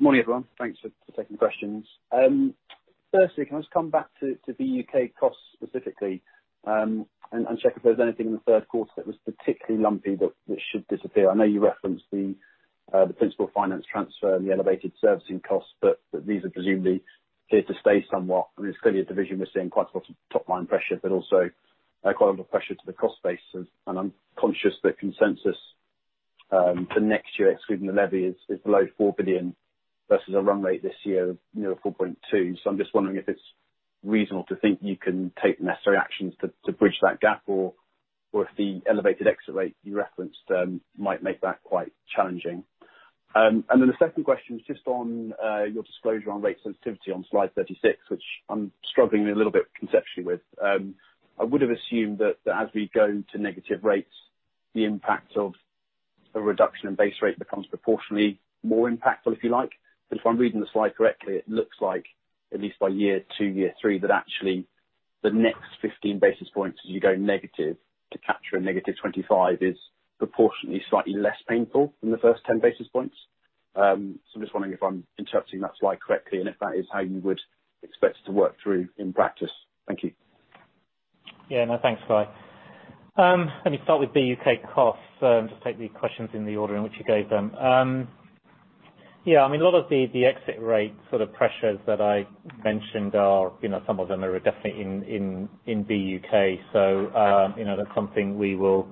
Morning, everyone. Thanks for taking questions. Firstly, can I just come back to the U.K. costs specifically, and check if there was anything in the third quarter that was particularly lumpy that should disappear? I know you referenced the principal finance transfer and the elevated servicing costs, but these are presumably here to stay somewhat. I mean, it's clearly a division we're seeing quite a lot of top-line pressure, but also quite a lot of pressure to the cost base. I'm conscious that consensus for next year, excluding the levy, is below 4 billion versus a run rate this year of near 4.2 billion. I'm just wondering if it's reasonable to think you can take necessary actions to bridge that gap, or if the elevated exit rate you referenced might make that quite challenging. The second question is just on your disclosure on rate sensitivity on slide 36, which I'm struggling a little bit conceptually with. I would have assumed that as we go to negative rates, the impact of a reduction in base rate becomes proportionally more impactful, if you like. If I'm reading the slide correctly, it looks like at least by year two, year three, that actually the next 15 basis points as you go negative to capture a negative 25 is proportionally slightly less painful than the first 10 basis points. I'm just wondering if I'm interpreting that slide correctly and if that is how you would expect it to work through in practice. Thank you. Yeah, no, thanks, Guy. Let me start with the U.K. costs. Just take the questions in the order in which you gave them. Yeah, I mean, a lot of the exit rate sort of pressures that I mentioned are, some of them are definitely in the U.K. That's something we will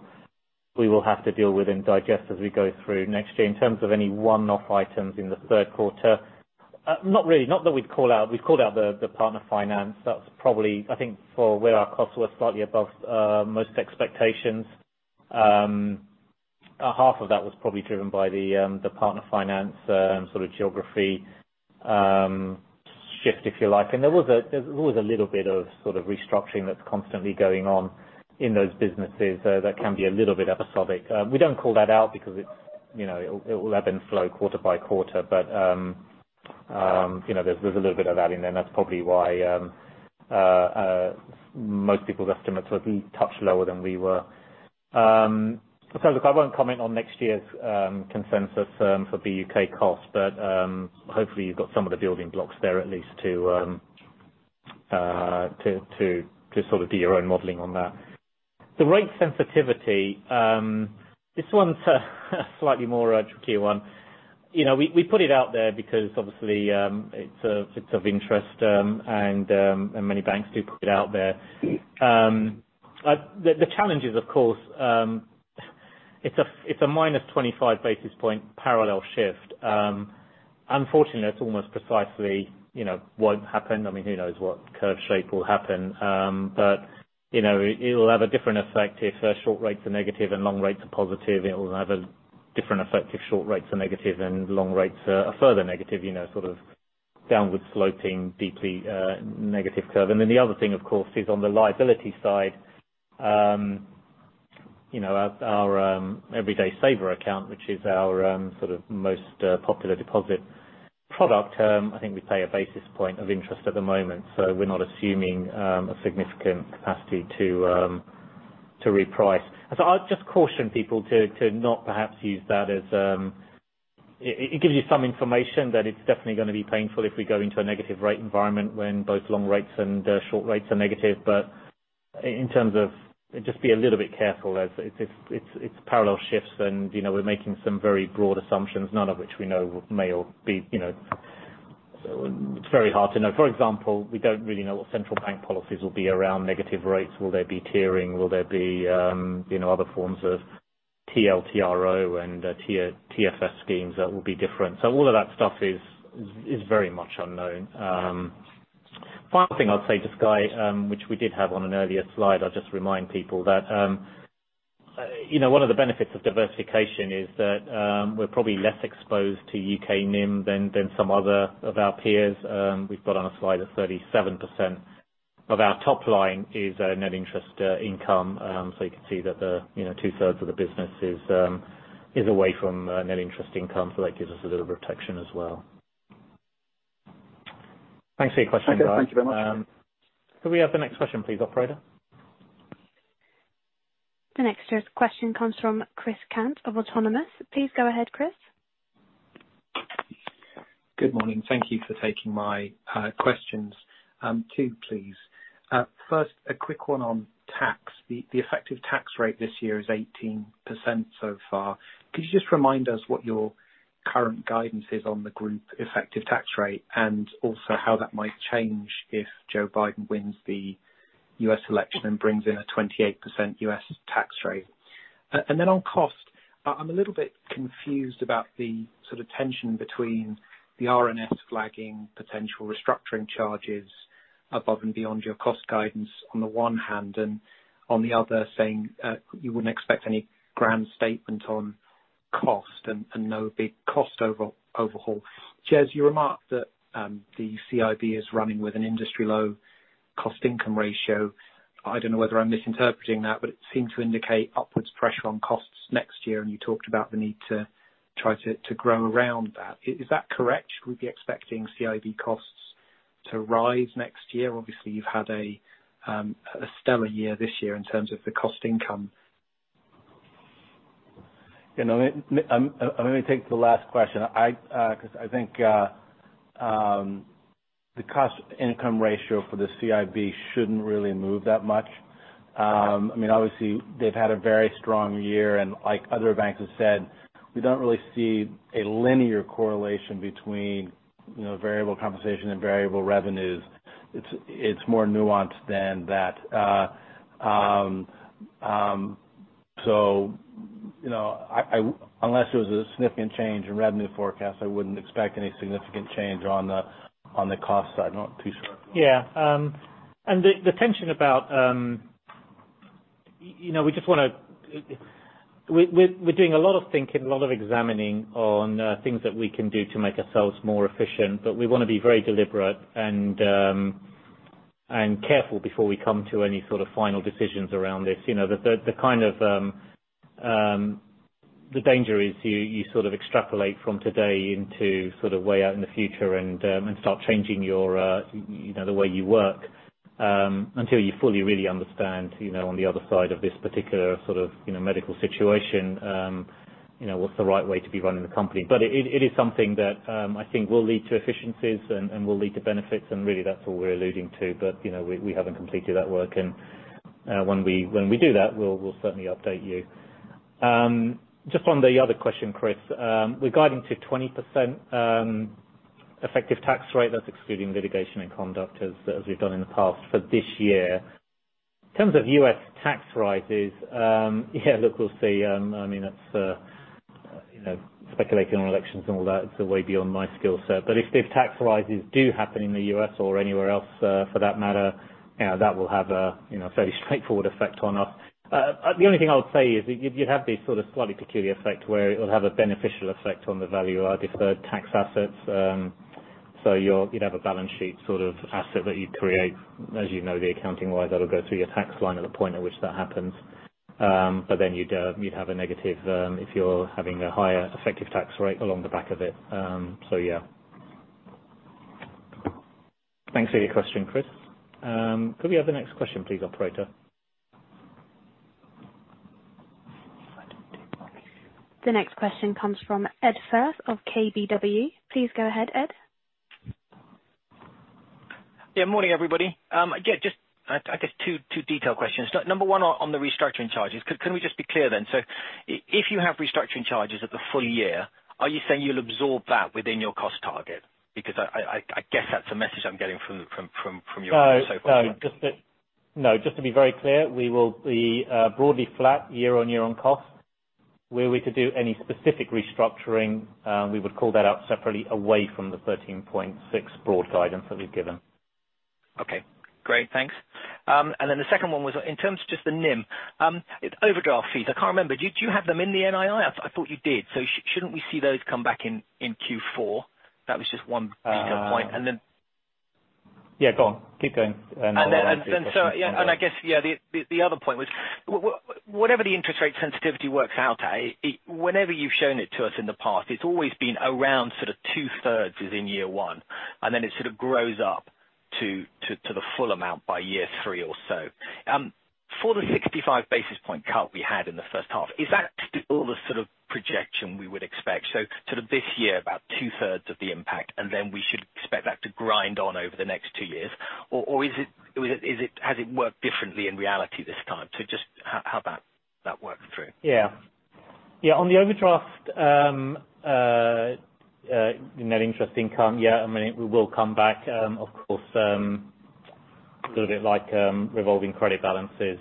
have to deal with and digest as we go through next year. In terms of any one-off items in the third quarter. Not really. Not that we'd call out. We've called out the Barclays Partner Finance. That's probably, I think, for where our costs were slightly above most expectations. Half of that was probably driven by the Barclays Partner Finance geography shift, if you like. There was a little bit of restructuring that's constantly going on in those businesses that can be a little bit episodic. We don't call that out because it will ebb and flow quarter by quarter. There's a little bit of that in there, and that's probably why most people's estimates will be a touch lower than we were. Look, I won't comment on next year's consensus for the U.K. cost, but hopefully you've got some of the building blocks there at least to do your own modeling on that. The rate sensitivity. This one's a slightly more tricky one. We put it out there because obviously it's of interest and many banks do put it out there. The challenge is, of course, it's a minus 25 basis point parallel shift. Unfortunately, that's almost precisely won't happen. Who knows what curve shape will happen? It'll have a different effect if short rates are negative and long rates are positive. It will have a different effect if short rates are negative and long rates are further negative, sort of downward sloping deeply negative curve. The other thing, of course, is on the liability side. Our Everyday Saver account, which is our most popular deposit product, I think we pay a basis point of interest at the moment. We're not assuming a significant capacity to reprice. I'd just caution people to not perhaps. It gives you some information that it's definitely going to be painful if we go into a negative rate environment when both long rates and short rates are negative. In terms of just be a little bit careful as it's parallel shifts and we're making some very broad assumptions, none of which we know may or be. It's very hard to know. For example, we don't really know what central bank policies will be around negative rates. Will there be tiering? Will there be other forms of TLTRO and TFS schemes that will be different? All of that stuff is very much unknown. Final thing I'd say, just Guy, which we did have on an earlier slide. I'll just remind people that one of the benefits of diversification is that we're probably less exposed to U.K. NIM than some other of our peers. We've got on a slide of 37% of our top line is net interest income. You can see that two-thirds of the business is away from net interest income. That gives us a little protection as well. Thanks for your question, Guy. Okay. Thank you very much. Can we have the next question please, operator? The next question comes from Chris Cant of Autonomous. Please go ahead, Chris. Good morning. Thank you for taking my questions. Two, please. First, a quick one on tax. The effective tax rate this year is 18% so far. Could you just remind us what your current guidance is on the group effective tax rate and also how that might change if Joe Biden wins the U.S. election and brings in a 28% U.S. tax rate? Then on cost, I'm a little bit confused about the sort of tension between the RNS flagging potential restructuring charges above and beyond your cost guidance on the one hand, and on the other saying, you wouldn't expect any grand statement on cost and no big cost overhaul. Jes, you remarked that the CIB is running with an industry-low cost income ratio. I don't know whether I'm misinterpreting that, but it seemed to indicate upwards pressure on costs next year, and you talked about the need to try to grow around that. Is that correct? We'd be expecting CIB costs to rise next year. Obviously, you've had a stellar year this year in terms of the cost income. Let me take the last question. I think the cost income ratio for the CIB shouldn't really move that much. Obviously, they've had a very strong year, and like other banks have said, we don't really see a linear correlation between variable compensation and variable revenues. It's more nuanced than that. Unless there was a significant change in revenue forecast, I wouldn't expect any significant change on the cost side. I'm not too sure. Yeah. The tension about we're doing a lot of thinking, a lot of examining on things that we can do to make ourselves more efficient, but we want to be very deliberate and careful before we come to any sort of final decisions around this. The danger is you extrapolate from today into way out in the future and start changing the way you work, until you fully really understand on the other side of this particular medical situation what's the right way to be running the company. It is something that I think will lead to efficiencies and will lead to benefits, and really that's all we're alluding to. We haven't completed that work, and when we do that, we'll certainly update you. Just on the other question, Chris, regarding to 20% effective tax rate, that's excluding litigation and conduct as we've done in the past for this year. In terms of U.S. tax rises, yeah, look, we'll see. That's speculating on elections and all that, it's way beyond my skill set. If big tax rises do happen in the U.S. or anywhere else for that matter, that will have a very straightforward effect on us. The only thing I would say is, you have this sort of slightly peculiar effect where it will have a beneficial effect on the value of our deferred tax assets. You'd have a balance sheet asset that you'd create, as you know, accounting-wise, that'll go through your tax line at the point at which that happens. Then you'd have a negative if you're having a higher effective tax rate along the back of it. Yeah. Thanks for your question, Chris. Could we have the next question please, operator? The next question comes from Ed Firth of KBW. Please go ahead, Ed. Yeah. Morning, everybody. Yeah, just I guess two detail questions. Number 1 on the restructuring charges. Can we just be clear then? If you have restructuring charges at the full year, are you saying you'll absorb that within your cost target? I guess that's the message I'm getting from you so far. No. Just to be very clear, we will be broadly flat year-on-year on cost. Were we to do any specific restructuring, we would call that out separately away from the 13.6 broad guidance that we've given. Okay, great. Thanks. The second one was, in terms of just the NIM, it's overdraft fees. I can't remember. Do you have them in the NII? I thought you did. Shouldn't we see those come back in Q4? That was just one detail point. Yeah, go on. Keep going. Then, I guess the other point was, whatever the interest rate sensitivity works out at, whenever you've shown it to us in the past, it's always been around sort of two-thirds is in year one, and then it sort of grows up to the full amount by year three or so. For the 65 basis point cut we had in the first half, is that all the sort of projection we would expect? Sort of this year, about two-thirds of the impact, and then we should expect that to grind on over the next two years. Or has it worked differently in reality this time? Just how that works through. On the overdraft net interest income, yeah, it will come back. Of course, a little bit like revolving credit balances.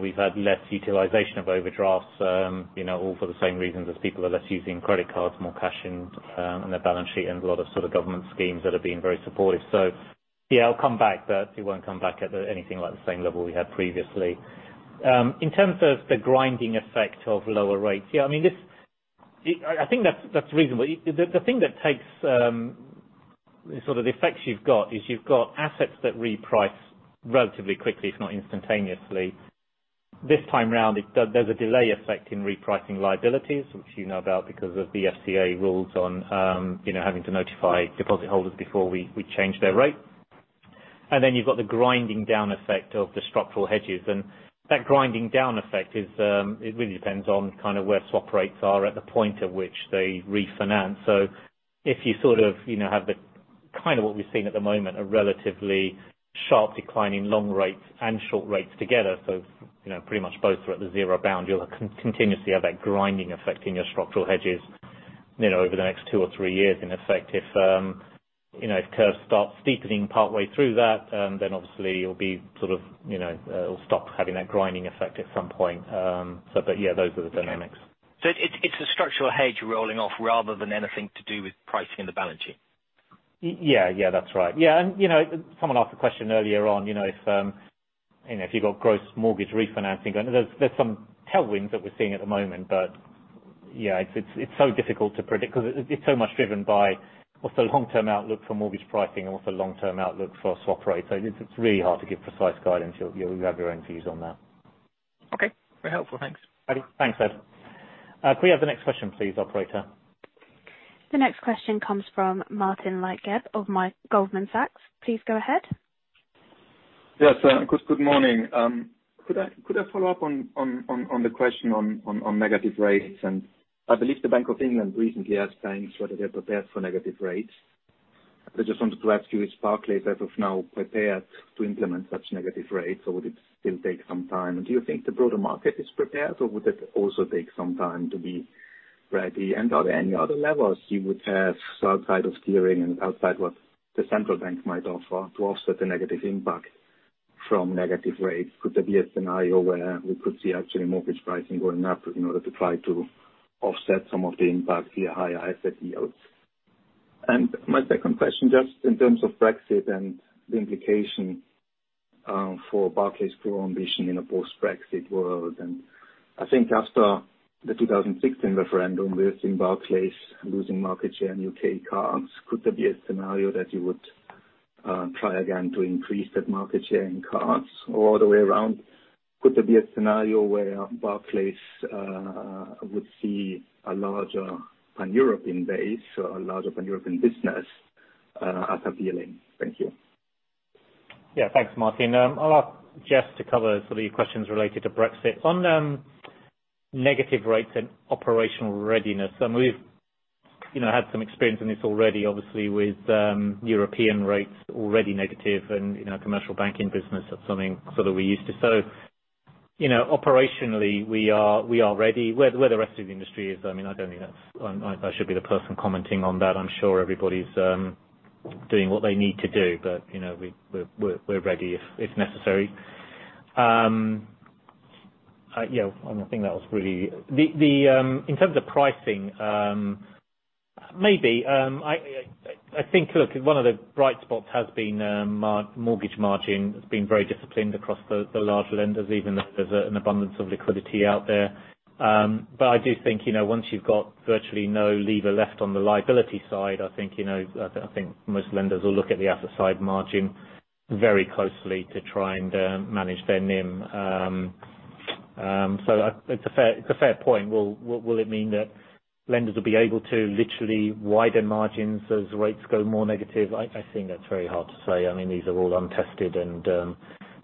We've had less utilization of overdrafts, all for the same reasons as people are less using credit cards, more cash in their balance sheet and a lot of sort of government schemes that have been very supportive. Yeah, it'll come back, but it won't come back at anything like the same level we had previously. In terms of the grinding effect of lower rates. I think that's reasonable. The thing that takes the effects you've got, is you've got assets that reprice relatively quickly, if not instantaneously. This time round, there's a delay effect in repricing liabilities, which you know about because of the FCA rules on having to notify deposit holders before we change their rate. You've got the grinding down effect of the structural hedges. That grinding down effect, it really depends on where swap rates are at the point at which they refinance. If you have the kind of what we've seen at the moment, a relatively sharp decline in long rates and short rates together, so pretty much both are at the zero bound, you'll continuously have that grinding effect in your structural hedges over the next two or three years. In effect, if curves start steepening partway through that, then obviously it'll stop having that grinding effect at some point. Yeah, those are the dynamics. It's a structural hedge rolling off rather than anything to do with pricing the balance sheet. Yeah, that's right. Someone asked a question earlier on if you've got gross mortgage refinancing, there's some tailwinds that we're seeing at the moment. Yeah, it's so difficult to predict because it's so much driven by what's the long-term outlook for mortgage pricing and what's the long-term outlook for swap rates. It's really hard to give precise guidance. You'll have your own views on that. Okay. Very helpful. Thanks. Thanks, Ed. Could we have the next question please, operator? The next question comes from Martin Leitgeb of Goldman Sachs. Please go ahead. Yes. Good morning. Could I follow up on the question on negative rates? I believe the Bank of England recently asked banks whether they're prepared for negative rates. I just wanted to ask you, is Barclays as of now prepared to implement such negative rates, or would it still take some time? Do you think the broader market is prepared or would it also take some time to be ready? Are there any other levers you would have outside of steering and outside what the central bank might offer to offset the negative impact from negative rates? Could there be a scenario where we could see actually mortgage pricing going up in order to try to offset some of the impact via higher asset yields? My second question, just in terms of Brexit and the implication for Barclays' growth ambition in a post-Brexit world. I think after the 2016 referendum, we are seeing Barclays losing market share in U.K. cards. Could there be a scenario that you would try again to increase that market share in cards? The other way around, could there be a scenario where Barclays would see a larger pan-European base or a larger pan-European business as appealing? Thank you. Yeah. Thanks, Martin. I'll ask Jes to cover sort of your questions related to Brexit. On negative rates and operational readiness, we've had some experience in this already, obviously, with European rates already negative and our commercial banking business. That's something we're used to. Operationally, we are ready. Where the rest of the industry is, I don't think I should be the person commenting on that. I'm sure everybody's doing what they need to do. We're ready if necessary. In terms of pricing, maybe. I think, look, one of the bright spots has been mortgage margin has been very disciplined across the large lenders, even if there's an abundance of liquidity out there. I do think, once you've got virtually no lever left on the liability side, I think most lenders will look at the asset side margin very closely to try and manage their NIM. It's a fair point. Will it mean that lenders will be able to literally widen margins as rates go more negative? I think that's very hard to say. These are all untested, and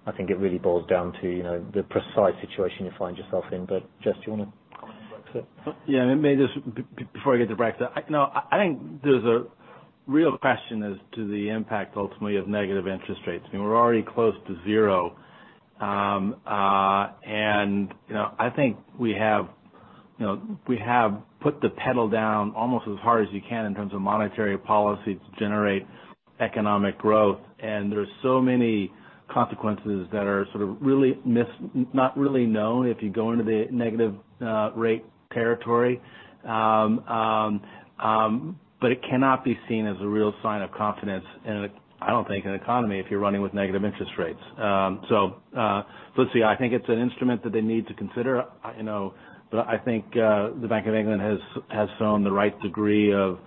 I think it really boils down to the precise situation you find yourself in. Jes, do you want to comment on Brexit? Yeah. Maybe just before I get to Brexit. No, I think there's a real question as to the impact ultimately of negative interest rates. We're already close to zero. I think we have put the pedal down almost as hard as you can in terms of monetary policy to generate economic growth. There's so many consequences that are sort of not really known if you go into the negative rate territory. It cannot be seen as a real sign of confidence in, I don't think, an economy if you're running with negative interest rates. Let's see. I think it's an instrument that they need to consider. I think the Bank of England has shown the right degree of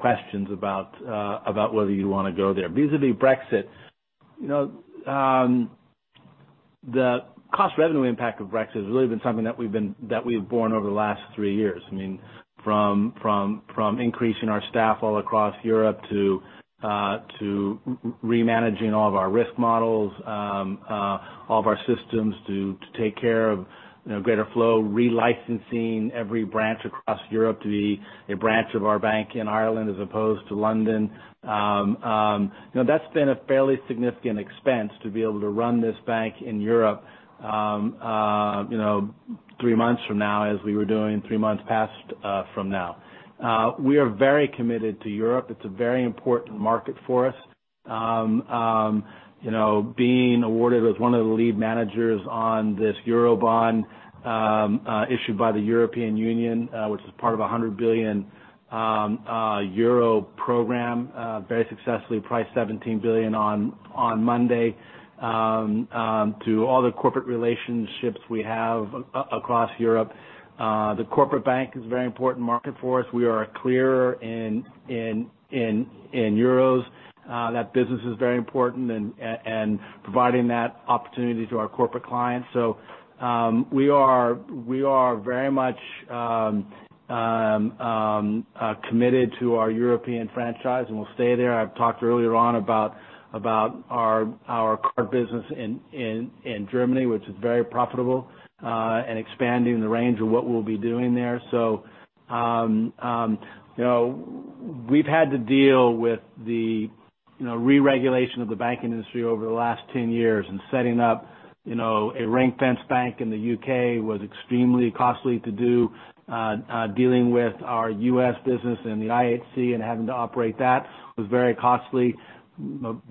questions about whether you want to go there. Vis-a-vis Brexit. The cost revenue impact of Brexit has really been something that we've borne over the last three years. From increasing our staff all across Europe to re-managing all of our risk models, all of our systems to take care of greater flow, re-licensing every branch across Europe to be a branch of our bank in Ireland as opposed to London. That's been a fairly significant expense to be able to run this bank in Europe three months from now as we were doing three months past from now. We are very committed to Europe. It's a very important market for us. Being awarded as one of the lead managers on this Euro bond issued by the European Union, which is part of 100 billion euro program very successfully priced 17 billion on Monday to all the corporate relationships we have across Europe. The corporate bank is a very important market for us. We are a clearer in euros. That business is very important and providing that opportunity to our corporate clients. We are very much committed to our European franchise, and we'll stay there. I've talked earlier on about our card business in Germany, which is very profitable, and expanding the range of what we'll be doing there. We've had to deal with the re-regulation of the banking industry over the last ten years. Setting up a ring-fenced bank in the U.K. was extremely costly to do. Dealing with our U.S. business and the IHC and having to operate that was very costly.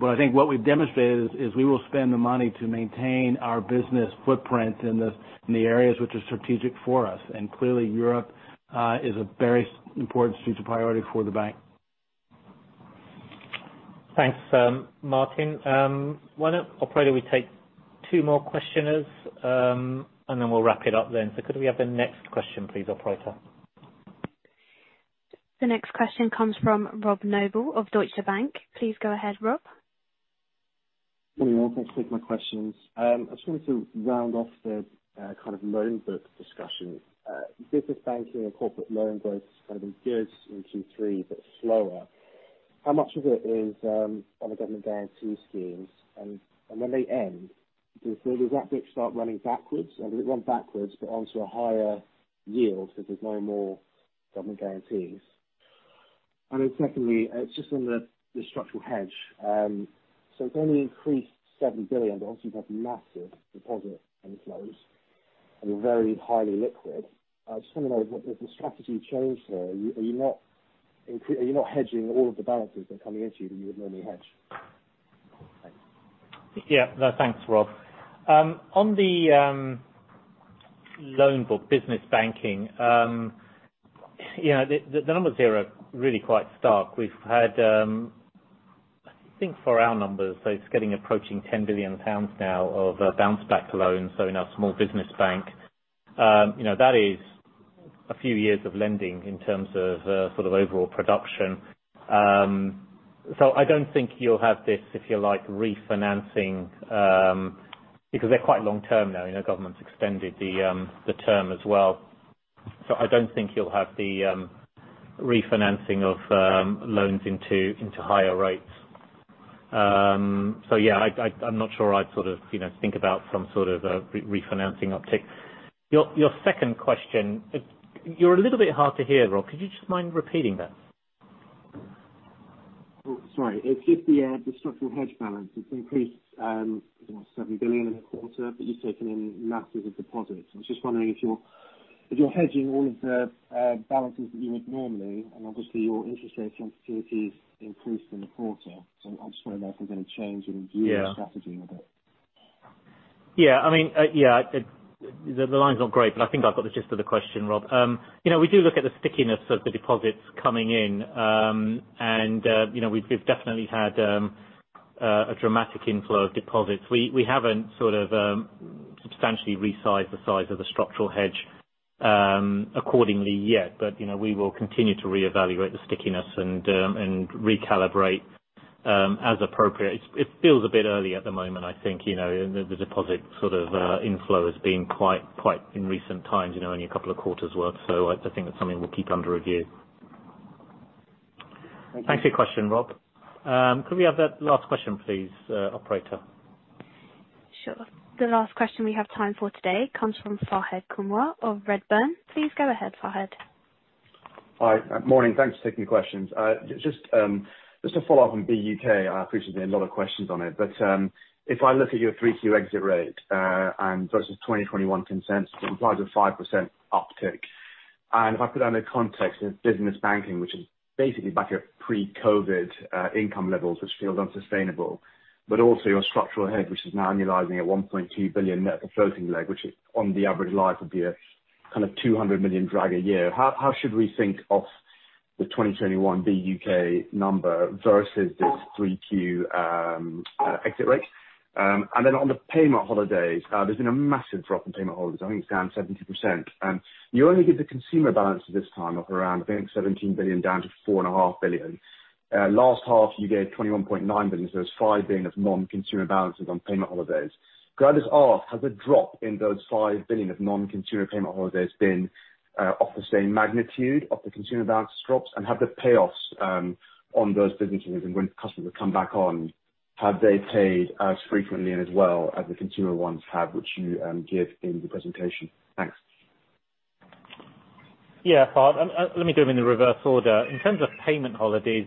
I think what we've demonstrated is we will spend the money to maintain our business footprint in the areas which are strategic for us. Clearly, Europe is a very important strategic priority for the bank. Thanks, Martin. Why don't, operator, we take two more questioners, and then we'll wrap it up then. Could we have the next question, please, operator? The next question comes from Rob Noble of Deutsche Bank. Please go ahead, Rob. Good morning all. Thanks for taking my questions. I just wanted to round off the kind of loan book discussion. Business banking and corporate loan growth has kind of been good in Q3, but slower. How much of it is on the government guarantee schemes? When they end, does that book start running backwards? Does it run backwards but onto a higher yield because there's no more government guarantees? Secondly, just on the structural hedge. It's only increased 7 billion. Obviously you've had massive deposit inflows, and you're very highly liquid. I just want to know, has the strategy changed here? Are you not hedging all of the balances that are coming into you that you would normally hedge? Thanks. No, thanks, Rob. On the loan book business banking. The numbers here are really quite stark. We've had I think for our numbers, so it's getting approaching 10 billion pounds now of Bounce Back Loan. In our small business bank. That is a few years of lending in terms of overall production. I don't think you'll have this, if you like, refinancing because they're quite long-term now. The government's extended the term as well. I don't think you'll have the refinancing of loans into higher rates. I'm not sure I'd think about some sort of refinancing uptick. Your second question. You're a little bit hard to hear, Rob. Could you just mind repeating that? Sorry. It's just the structural hedge balance. It's increased 7 billion in the quarter, but you've taken in masses of deposits. I was just wondering if you're hedging all of the balances that you would normally, and obviously your interest rates on securities increased in the quarter, so I just wonder if there's any change in your strategy a bit. Yeah. The line's not great, but I think I've got the gist of the question, Rob. We do look at the stickiness of the deposits coming in. We've definitely had a dramatic inflow of deposits. We haven't substantially resized the size of the structural hedge accordingly yet. We will continue to reevaluate the stickiness and recalibrate as appropriate. It feels a bit early at the moment, I think. The deposit inflow has been quite, in recent times, only a couple of quarters worth. I think that's something we'll keep under review. Thank you. Thanks for your question, Rob. Could we have that last question, please, operator? Sure. The last question we have time for today comes from Fahed Kunwar of Redburn. Please go ahead, Fahed. Hi. Morning. Thanks for taking the questions. Just to follow up on BUK. I appreciate there's been a lot of questions on it. If I look at your 3Q exit rate versus 2021 consensus, it implies a 5% uptick. If I put that in the context of business banking, which is basically back at pre-COVID income levels, which feels unsustainable, but also your structural hedge, which is now annualizing at 1.2 billion net of floating leg, which on the average life would be a kind of 200 million drag a year. How should we think of the 2021 BUK number versus this 3Q exit rate? On the payment holidays, there's been a massive drop in payment holidays. I think it's down 72%. You only give the consumer balances this time of around, I think 17 billion, down to four and a half billion. Last half, you gave 21.9 billion, that's 5 billion of non-consumer balances on payment holidays. Could I just ask, has the drop in those 5 billion of non-consumer payment holidays been off the same magnitude of the consumer balance drops? Have the payoffs on those businesses and when customers come back on, have they paid as frequently and as well as the consumer ones have, which you give in the presentation? Thanks. Fahed, let me do them in the reverse order. In terms of payment holidays,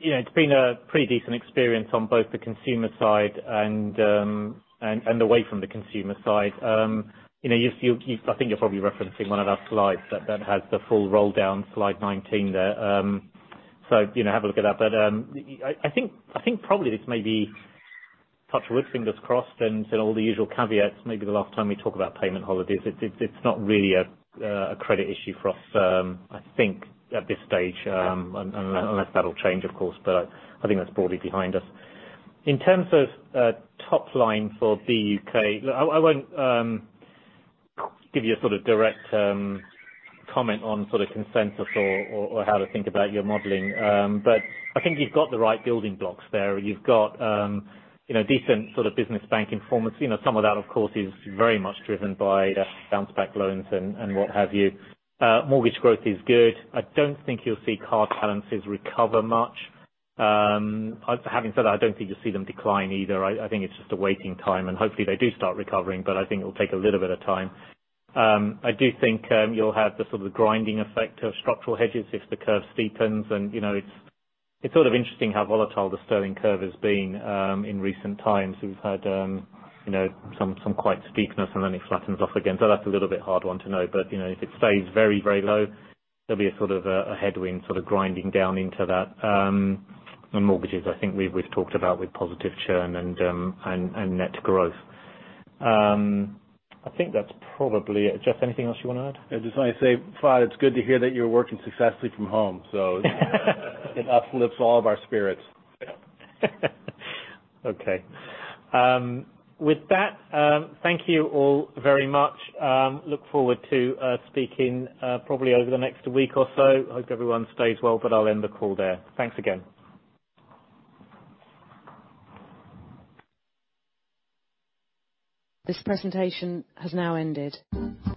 it's been a pretty decent experience on both the consumer side and away from the consumer side. I think you're probably referencing one of our slides that has the full roll-down, slide 19 there. Have a look at that. I think probably this may be touch wood, fingers crossed, and all the usual caveats, maybe the last time we talk about payment holidays. It's not really a credit issue for us, I think, at this stage. Unless that'll change, of course, but I think that's broadly behind us. In terms of top line for BUK, I won't give you a sort of direct comment on consensus or how to think about your modeling. I think you've got the right building blocks there. You've got decent business bank performance. Some of that, of course, is very much driven by the Bounce Back Loan and what have you. Mortgage growth is good. I don't think you'll see card balances recover much. Having said that, I don't think you'll see them decline either. I think it's just a waiting time, and hopefully they do start recovering, but I think it'll take a little bit of time. I do think you'll have the sort of grinding effect of structural hedges if the curve steepens, and it's sort of interesting how volatile the sterling curve has been in recent times. We've had some quite steepness and then it flattens off again. That's a little bit hard one to know. If it stays very low, there'll be a sort of a headwind sort of grinding down into that. Mortgages, I think, we've talked about with positive churn and net growth. I think that's probably it. Jes, anything else you want to add? I just want to say, Fahed, it's good to hear that you're working successfully from home. It uplifts all of our spirits. Okay. With that, thank you all very much. Look forward to speaking probably over the next week or so. Hope everyone stays well, but I'll end the call there. Thanks again. This presentation has now ended.